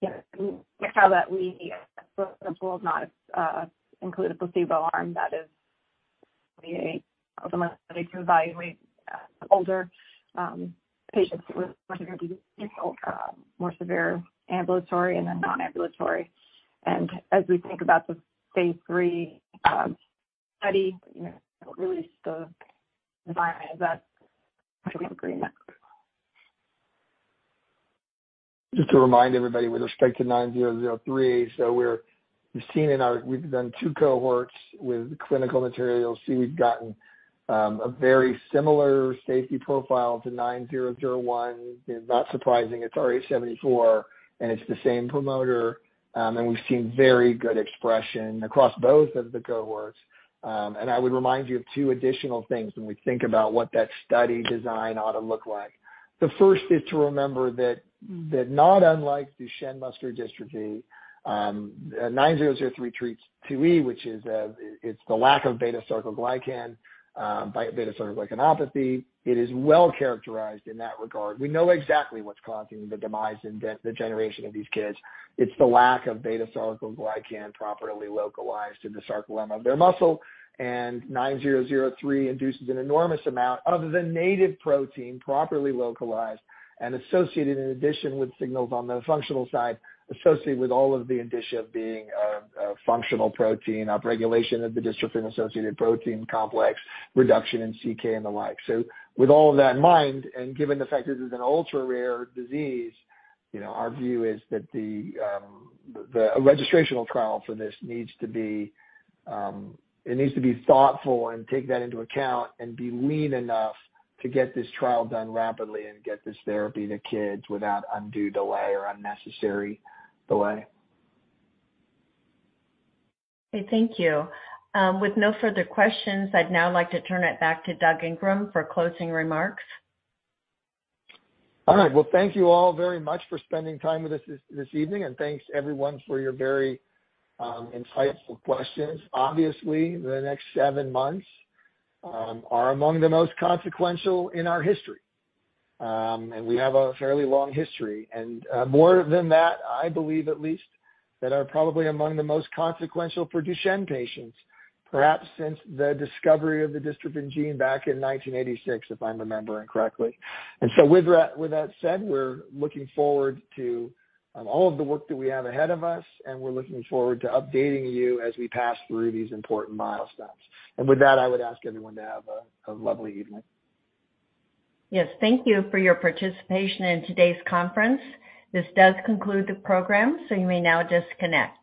Yes. The trial that we Okay. Thank you. With no further questions, I'd now like to turn it back to Doug Ingram for closing remarks. All right. Well, thank you all very much for spending time with us this evening, and thanks everyone for your very insightful questions. Obviously, the next seven months are among the most consequential in our history. We have a fairly long history. More than that, I believe at least that are probably among the most consequential for Duchenne patients, perhaps since the discovery of the dystrophin gene back in 1986, if I'm remembering correctly. With that said, we're looking forward to all of the work that we have ahead of us, and we're looking forward to updating you as we pass through these important milestones. With that, I would ask everyone to have a lovely evening. Yes. Thank you for your participation in today's conference. This does conclude the program, so you may now disconnect.